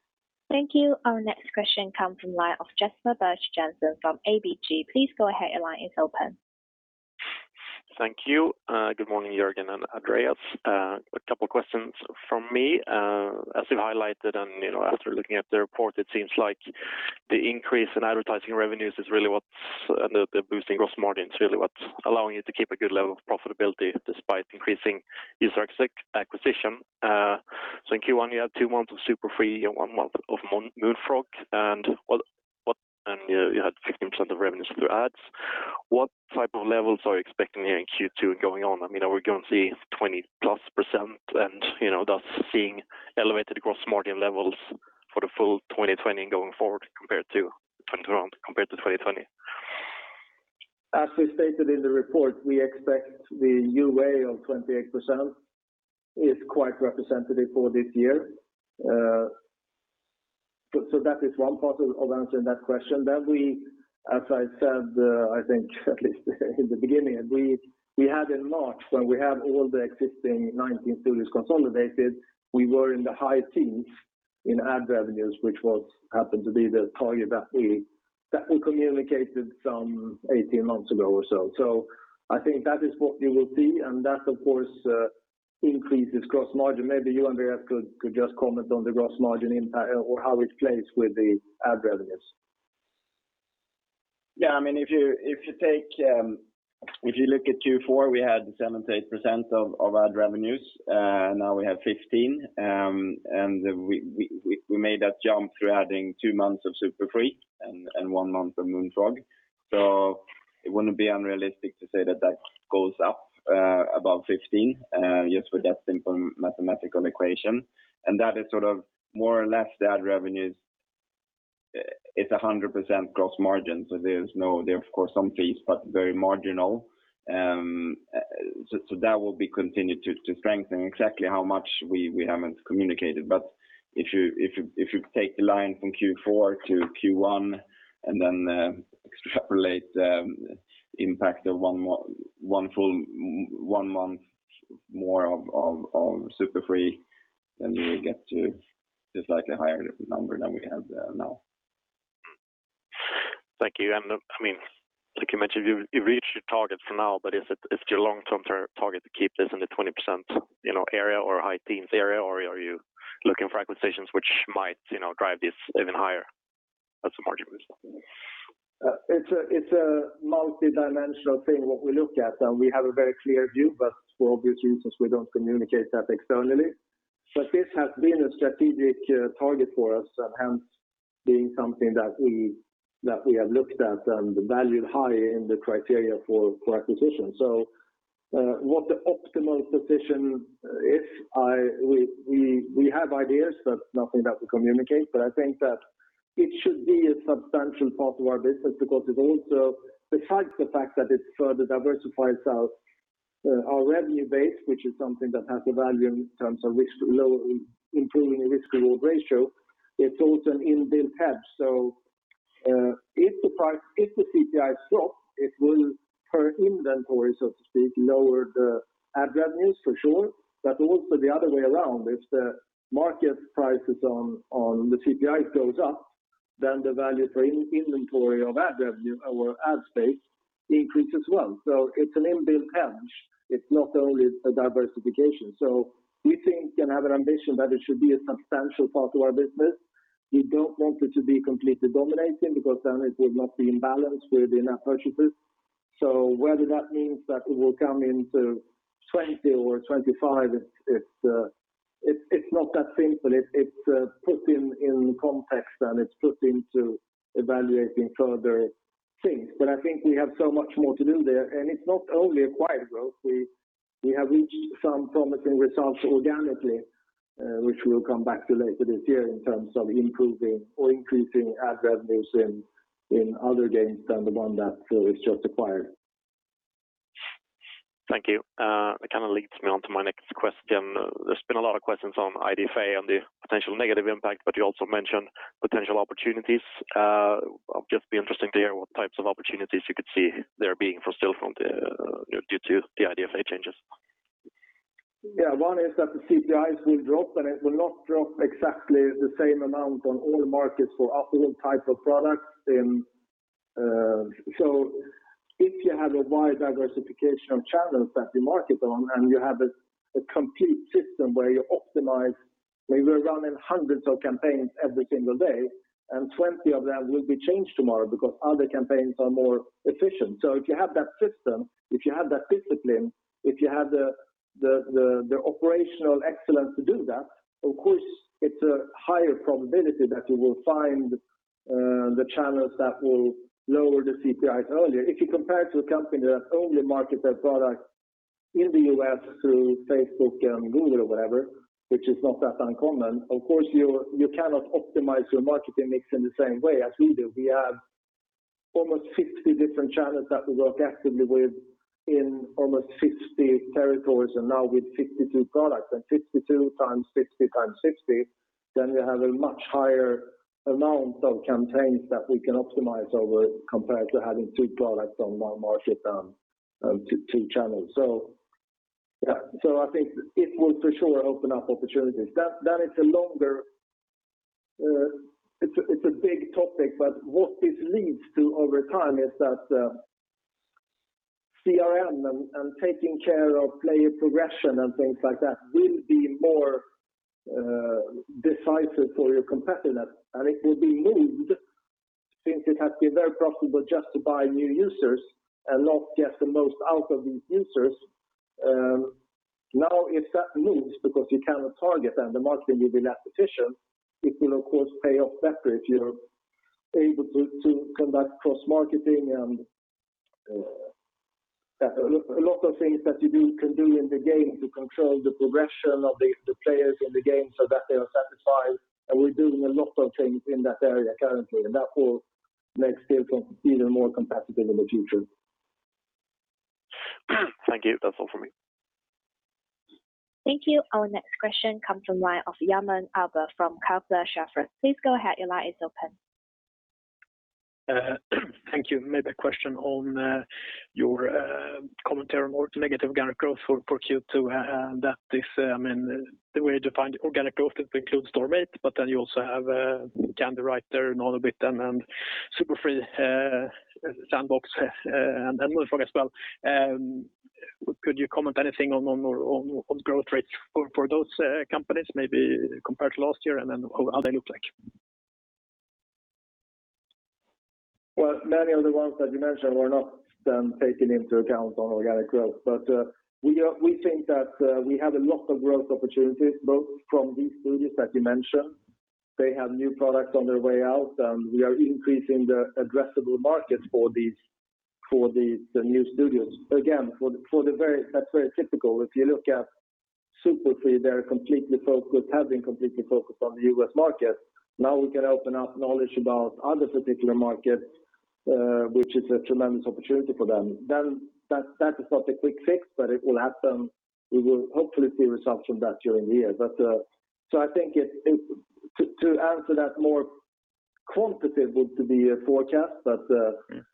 Thank you. Our next question come from line of Jesper Birch-Jensen from ABG. Please go ahead, your line is open. Thank you. Good morning, Jörgen and Andreas. A couple questions from me. As you've highlighted and after looking at the report, it seems like the increase in advertising revenues and the boosting gross margin is really what's allowing you to keep a good level of profitability despite increasing user acquisition. In Q1, you had two months of Super Free and one month of Moonfrog, and you had 15% of revenues through ads. What type of levels are you expecting here in Q2 going on? Are we going to see 20+% and thus seeing elevated gross margin levels for the full 2020 going forward compared to 2020? We stated in the report, we expect the UA of 28% is quite representative for this year. That is one part of answering that question. As I said, I think at least in the beginning, we had in March, when we had all the existing 19 studios consolidated, we were in the high teens in ad revenues, which happened to be the target that we communicated some 18 months ago or so. I think that is what you will see, and that, of course, increases gross margin. Maybe you, Andreas, could just comment on the gross margin impact or how it plays with the ad revenues. Yeah. If you look at Q4, we had 7%-8% of ad revenues, now we have 15%. We made that jump through adding two months of Super Free and one month of Moonfrog Labs. It wouldn't be unrealistic to say that that goes up above 15%, just for that simple mathematical equation. That is more or less the ad revenues. It's 100% gross margin, there's, of course, some fees, but very marginal. That will be continued to strengthen. Exactly how much, we haven't communicated. If you take the line from Q4 to Q1 and extrapolate the impact of one month more of Super Free Games, we will get to slightly higher number than we have now. Thank you. Like you mentioned, you've reached your target for now, but is it your long-term target to keep this in the 20% area or high-teens area, or are you looking for acquisitions which might drive this even higher as a margin booster? It's a multidimensional thing, what we look at, and we have a very clear view, but for obvious reasons, we don't communicate that externally. This has been a strategic target for us, and hence being something that we have looked at and valued high in the criteria for acquisition. What the optimal position is, we have ideas, but nothing that we communicate. I think that it should be a substantial part of our business because besides the fact that it further diversifies our revenue base, which is something that has a value in terms of improving the risk-reward ratio, it's also an inbuilt hedge. If the CPI stops, it will hurt inventories, so to speak, lower the ad revenues for sure. Also the other way around, if the market prices on the CPI goes up, the value for inventory of ad revenue or ad space increases as well. It's an inbuilt hedge. It's not only a diversification. We think and have an ambition that it should be a substantial part of our business. We don't want it to be completely dominating because then it would not be in balance with in-app purchases. Whether that means that it will come into 20% or 25%, it's not that simple. It's put in context, and it's put into evaluating further things. I think we have so much more to do there, and it's not only acquired growth. We have reached some promising results organically, which we'll come back to later this year in terms of improving or increasing ad revenues in other games than the one that is just acquired. Thank you. That kind of leads me on to my next question. There's been a lot of questions on IDFA and the potential negative impact, but you also mentioned potential opportunities. I'll just be interested to hear what types of opportunities you could see there being for Stillfront due to the IDFA changes. Yeah. One is that the CPIs will drop, and it will not drop exactly the same amount on all markets for all types of products. If you have a wide diversification of channels that you market on, and you have a complete system where you optimize, where you are running hundreds of campaigns every single day, and 20 of them will be changed tomorrow because other campaigns are more efficient. If you have that system, if you have that discipline, if you have the operational excellence to do that, of course, it's a higher probability that you will find the channels that will lower the CPIs earlier. If you compare to a company that only market their product in the U.S. through Facebook and Google or whatever, which is not that uncommon, of course, you cannot optimize your marketing mix in the same way as we do. We have almost 60 different channels that we work actively with in almost 60 territories, and now with 52 products. 52x60x60, then we have a much higher amount of campaigns that we can optimize over compared to having two products on one market and two channels. I think it will for sure open up opportunities. That is a big topic, but what this leads to over time is that CRM and taking care of player progression and things like that will be more decisive for your competitiveness. It will be moved since it has been very profitable just to buy new users and not get the most out of these users. Now, if that moves because you cannot target them, the marketing will be less efficient. It will, of course, pay off better if you're able to conduct cross-marketing and a lot of things that you can do in the game to control the progression of the players in the game so that they are satisfied. We're doing a lot of things in that area currently, and that will make Stillfront even more competitive in the future. Thank you. That's all from me. Thank you. Our next question comes from the line of Hjalmar Ahlberg from Kepler Cheuvreux. Please go ahead. Your line is open. Thank you. Maybe a question on your commentary on negative organic growth for Q2. The way you define organic growth, it includes Storm8, but then you also have Candywriter and Super Free Sandbox and Moonfrog as well. Could you comment anything on growth rates for those companies, maybe compared to last year and then how they look like? Well, many of the ones that you mentioned were not then taken into account on organic growth. We think that we have a lot of growth opportunities, both from these studios that you mentioned. They have new products on their way out, and we are increasing the addressable market for the new studios. Again, that's very typical. If you look at Super Free, they have been completely focused on the U.S. market. Now we can open up knowledge about other particular markets, which is a tremendous opportunity for them. That is not a quick fix, but it will happen. We will hopefully see results from that during the year. I think to answer that more quantitative would be a forecast, but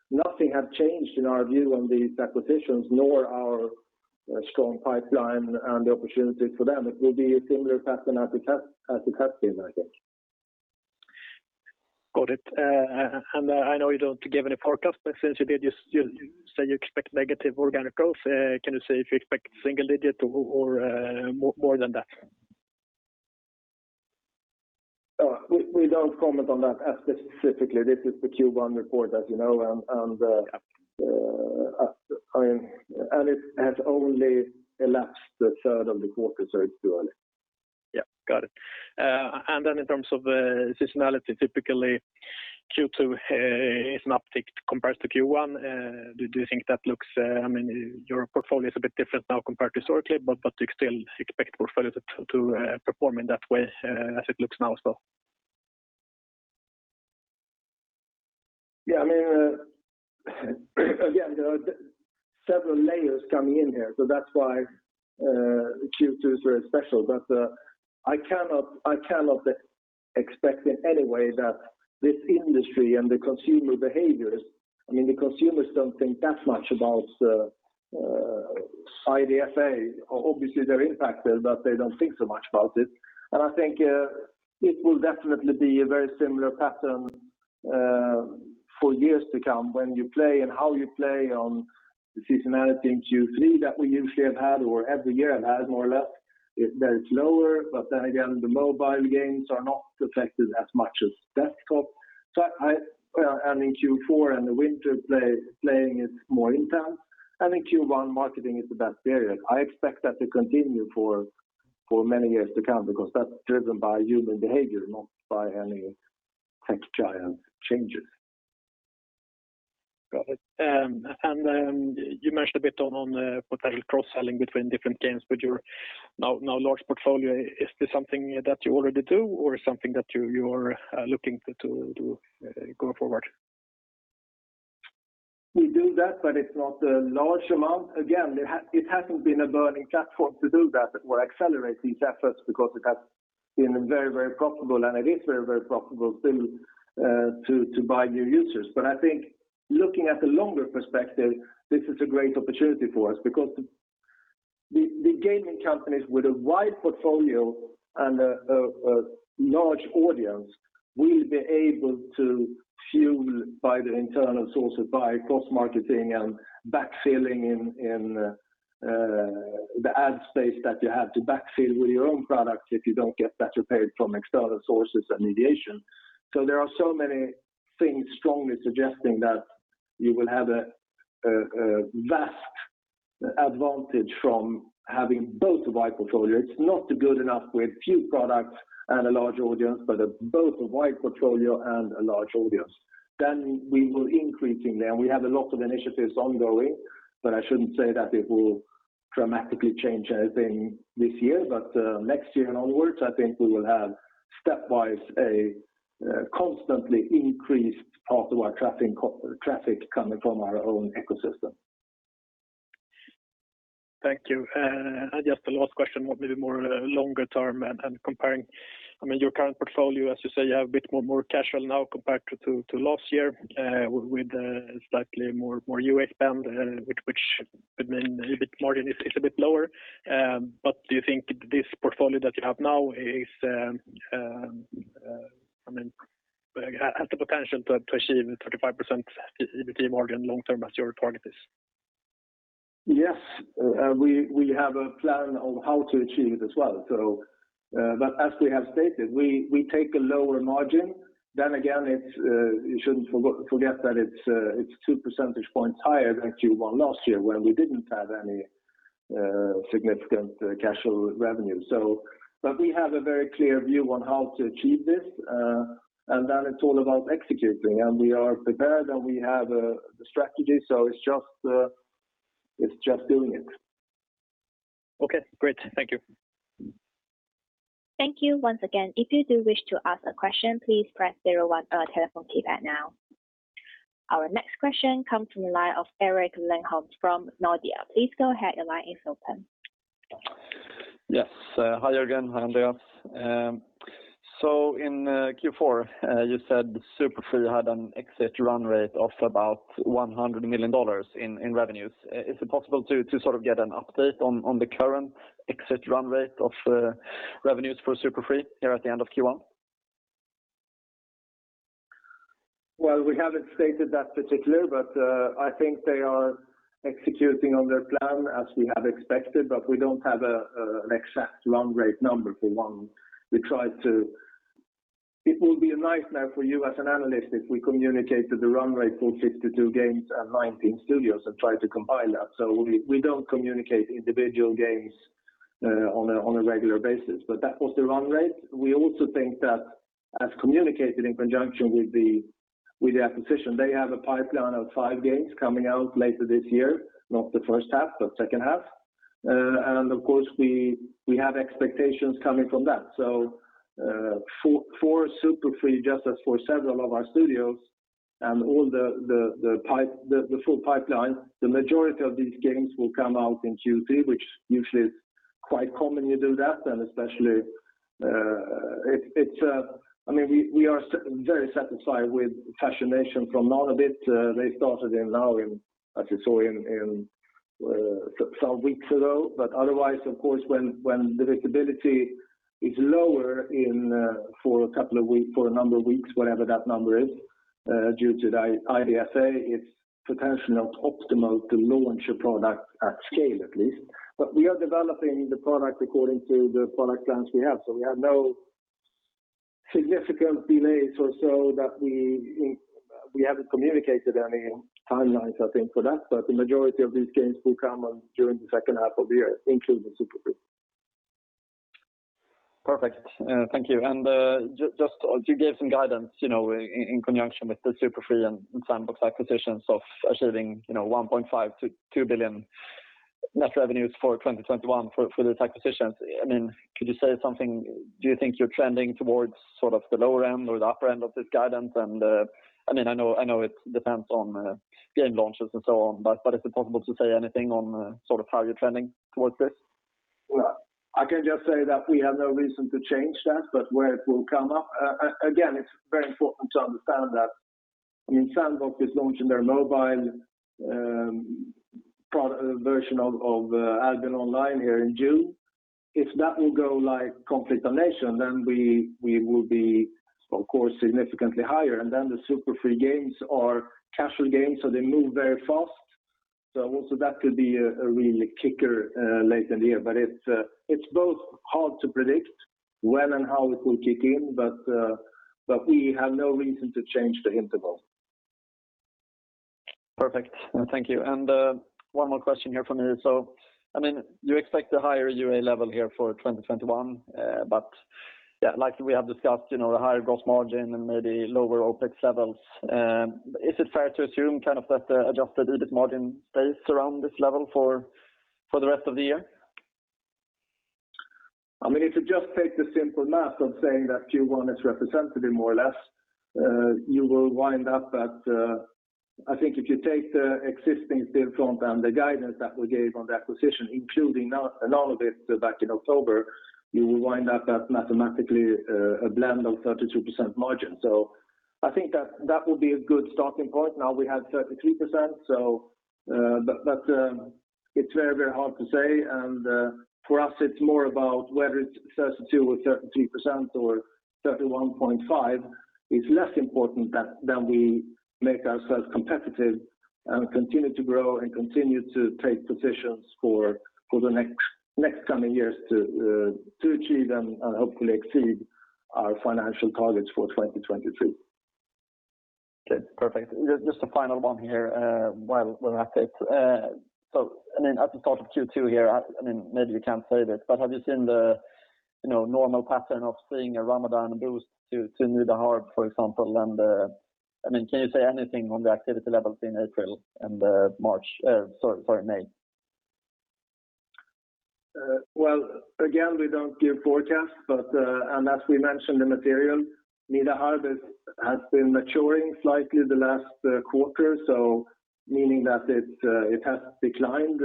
nothing has changed in our view on these acquisitions, nor our strong pipeline and the opportunity for them. It will be a similar pattern as it has been, I think. Got it. I know you don't give any forecast, but since you did, you say you expect negative organic growth. Can you say if you expect single-digit or more than that? We don't comment on that specifically. This is the Q1 report, as you know, and it has only elapsed a third of the quarter, so it's too early. Yeah. Got it. Then in terms of seasonality, typically Q2 is an uptick compared to Q1. Do you think that your portfolio is a bit different now compared to historically, but do you still expect portfolio to perform in that way as it looks now as well? Yeah. There are several layers coming in here, so that's why Q2 is very special. The consumers don't think that much about IDFA. Obviously, they're impacted, but they don't think so much about it. I think it will definitely be a very similar pattern for years to come when you play and how you play on the seasonality in Q3 that we usually have had, or every year have had, more or less. There it's lower, the mobile games are not affected as much as desktop. In Q4 and the winter, playing is more intense, and in Q1, marketing is the best period. I expect that to continue for many years to come because that's driven by human behavior, not by any tech giant changes. Got it. You mentioned a bit on potential cross-selling between different games with your now large portfolio. Is this something that you already do or something that you are looking to do going forward? We do that, but it's not a large amount. Again, it hasn't been a burning platform to do that or accelerate these efforts because it is very profitable still to buy new users. I think looking at the longer perspective, this is a great opportunity for us because the gaming companies with a wide portfolio and a large audience will be able to fuel by the internal sources, by cross-marketing and backfilling in the ad space that you have to backfill with your own products if you don't get that repaid from external sources and mediation. There are so many things strongly suggesting that you will have a vast advantage from having both a wide portfolio. It's not good enough with few products and a large audience, but both a wide portfolio and a large audience. We will increasingly, and we have a lot of initiatives ongoing, but I shouldn't say that it will dramatically change anything this year. Next year and onwards, I think we will have stepwise a constantly increased part of our traffic coming from our own ecosystem. Thank you. Just the last question, maybe more longer term and comparing your current portfolio, as you say, you have a bit more casual now compared to last year, with slightly more U.S. spend, which could mean EBIT margin is a bit lower. Do you think this portfolio that you have now has the potential to achieve the 35% EBIT margin long term as your target is? Yes, we have a plan on how to achieve it as well. As we have stated, we take a lower margin. You shouldn't forget that it's 2 percentage points higher than Q1 last year, where we didn't have any significant casual revenue. We have a very clear view on how to achieve this, and that it's all about executing, and we are prepared, and we have the strategy, so it's just doing it. Okay, great. Thank you. Thank you once again if you do wish to ask a question please press zero one on your telephone keypad now. Our next question comes from the line of Erik Lindholm from Nordea. Please go ahead, your line is open. Yes. Hi again. Hi, Andreas. In Q4, you said Super Free had an exit run rate of about $100 million in revenues. Is it possible to sort of get an update on the current exit run rate of revenues for Super Free here at the end of Q1? Well, we haven't stated that particular, but I think they are executing on their plan as we have expected, but we don't have an exact run rate number for one. It will be a nightmare for you as an analyst if we communicated the run rate for 62 games and 19 studios and tried to combine that. We don't communicate individual games on a regular basis, but that was the run rate. We also think that as communicated in conjunction with the acquisition, they have a pipeline of five games coming out later this year, not the first half, but second half. Of course, we have expectations coming from that. For Super Free, just as for several of our studios and all the full pipeline, the majority of these games will come out in Q3, which usually is quite common you do that. We are very satisfied with Fashion Nation from Nanobit. They started in now in, as you saw, some weeks ago. Otherwise, of course, when the visibility is lower for a number of weeks, whatever that number is due to the IDFA, it is potentially not optimal to launch a product at scale, at least. We are developing the product according to the product plans we have. We have no significant delays or so that we haven't communicated any timelines, I think, for that. The majority of these games will come on during the second half of the year, including Super Free. Perfect. Thank you. Just you gave some guidance in conjunction with the Super Free and Sandbox acquisitions of achieving 1.5 billion-2 billion net revenues for 2021 for the acquisitions. Could you say something, do you think you're trending towards sort of the lower end or the upper end of this guidance? I know it depends on game launches and so on, is it possible to say anything on sort of how you're trending towards this? Well, I can just say that we have no reason to change that, but where it will come up, Again, it's very important to understand that Sandbox is launching their mobile version of Albion Online here in June. If that will go like [Complete Annihilation], we will be, of course, significantly higher. The Super Free Games are casual games, they move very fast. Also that could be a really kicker later in the year. It's both hard to predict when and how it will kick in, but we have no reason to change the interval. Perfect. Thank you. One more question here from me. You expect a higher UA level here for 2021. Like we have discussed, the higher gross margin and maybe lower OpEx levels, is it fair to assume that the adjusted EBIT margin stays around this level for the rest of the year? If you just take the simple math of saying that Q1 is representative more or less. You will wind up at. I think if you take the existing Stillfront and the guidance that we gave on the acquisition, including all of it back in October, you will wind up at mathematically a blend of 32% margin. I think that will be a good starting point. Now we have 33%. It's very hard to say, and for us, it's more about whether it's 32% or 33% or 31.5%, is less important than we make ourselves competitive and continue to grow and continue to take positions for the next coming years to achieve and hopefully exceed our financial targets for 2023. Okay, perfect. Just a final one here while we're at it. At the start of Q2 here, maybe you can't say this, but have you seen the normal pattern of seeing a Ramadan boost to Nida Harb, for example. Can you say anything on the activity levels in April and May? Well, again, we don't give forecasts, and as we mentioned the material, Nida Harb has been maturing slightly the last quarter, meaning that it has declined.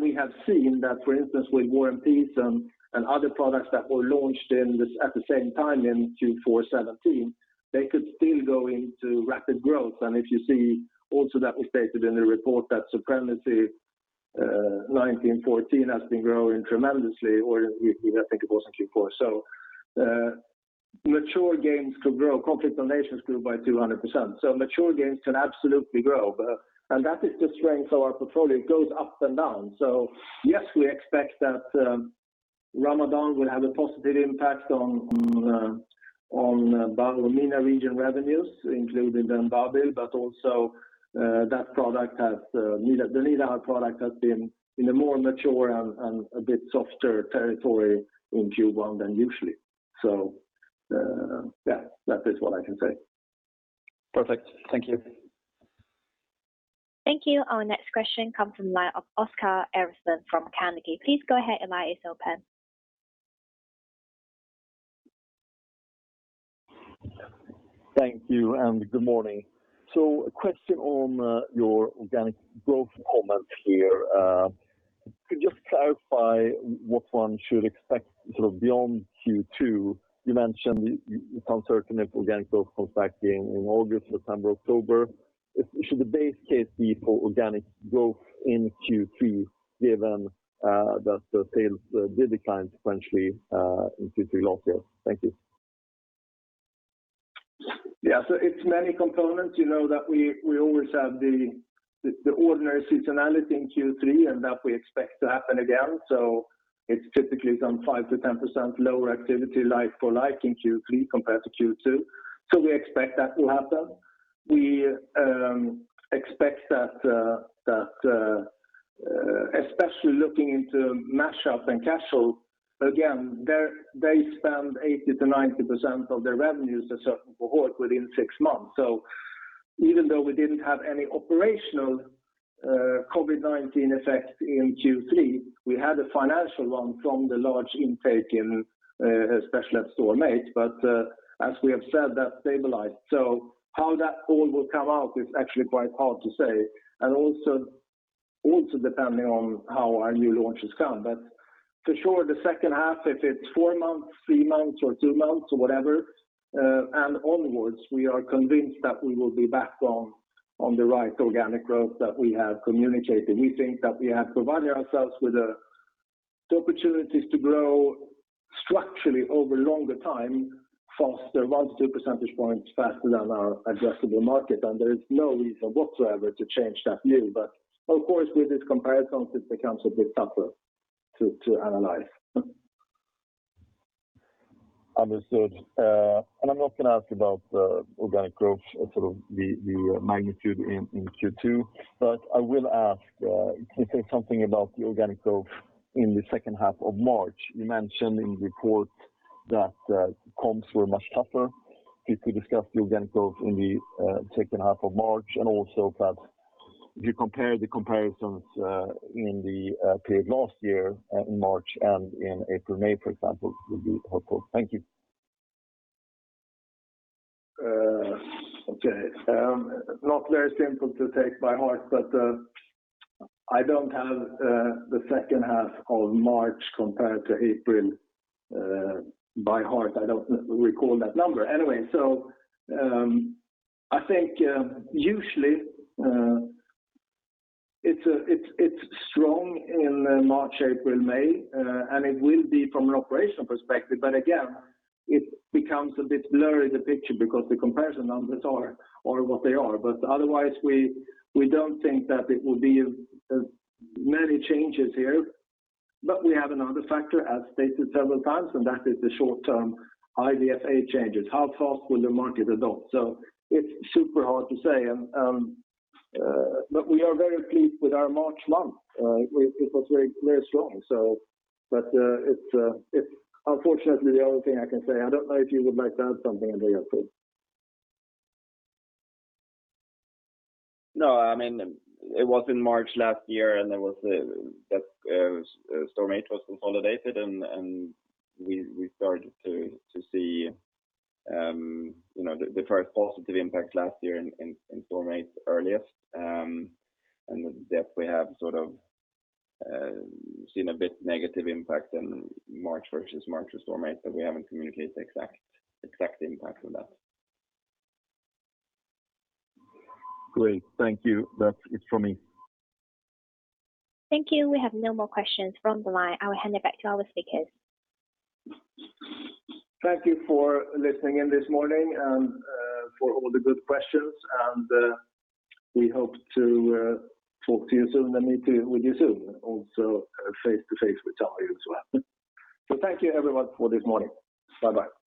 We have seen that, for instance, with War and Peace and other products that were launched at the same time in Q4 2017, they could still go into rapid growth. If you see also that was stated in the report that Supremacy 1914 has been growing tremendously, or I think it was in Q4. Mature games could grow. Conflict of Nations grew by 200%. Mature games can absolutely grow, and that is the strength of our portfolio. It goes up and down. Yes, we expect that Ramadan will have a positive impact on our MENA region revenues, including the mobile, but also that product has been in a more mature and a bit softer territory in Q1 than usually. That is what I can say. Perfect. Thank you. Thank you. Our next question comes from the line of Oscar Erixon from Carnegie. Please go ahead, your line is open. Thank you, good morning. A question on your organic growth comments here. Could you just clarify what one should expect sort of beyond Q2? You mentioned the uncertainty of organic growth comes back in August, September, October. Should the base case be for organic growth in Q3 given that the sales did decline sequentially in Q3 last year? Thank you. It's many components that we always have the ordinary seasonality in Q3, and that we expect to happen again. It's typically some 5%-10% lower activity like-for-like in Q3 compared to Q2. We expect that to happen. We expect that especially looking into mash-ups and casual, again, they spend 80%-90% of their revenues, a certain cohort within six months. Even though we didn't have any operational COVID-19 effect in Q3, we had a financial one from the large intake in, especially at Storm8. As we have said, that stabilized. How that all will come out is actually quite hard to say, and also depending on how our new launches come. For sure, the second half, if it's four months, three months, or two months, or whatever, and onwards, we are convinced that we will be back on the right organic growth that we have communicated. We think that we have provided ourselves with the opportunities to grow structurally over longer time faster, one to two percentage points faster than our addressable market, and there is no reason whatsoever to change that view. Of course, with these comparisons, it becomes a bit tougher to analyze. Understood. I'm not going to ask about organic growth or sort of the magnitude in Q2, but I will ask, can you say something about the organic growth in the second half of March? You mentioned in the report that comps were much tougher. Could you discuss the organic growth in the second half of March, and also that if you compare the comparisons in the period last year in March and in April, May, for example, would be helpful. Thank you. Okay. Not very simple to take by heart, but I don't have the second half of March compared to April by heart. I don't recall that number. Anyway, I think usually it's strong in March, April, May, and it will be from an operational perspective, but again, it becomes a bit blurry the picture because the comparison numbers are what they are. Otherwise, we don't think that it will be many changes here. We have another factor, as stated several times, and that is the short-term IDFA changes. How fast will the market adopt? It's super hard to say. We are very pleased with our March month. It was very strong. Unfortunately, the only thing I can say, I don't know if you would like to add something, Andreas, please. No, it was in March last year. Storm8 was consolidated. We started to see the first positive impact last year in Storm8 earliest. With that we have sort of seen a bit negative impact in March versus March with Storm8. We haven't communicated the exact impact of that. Great. Thank you. That's it from me. Thank you. We have no more questions from the line. I will hand it back to our speakers. Thank you for listening in this morning and for all the good questions, and we hope to talk to you soon and meet with you soon, also face-to-face with some of you as well. Thank you, everyone, for this morning. Bye-bye.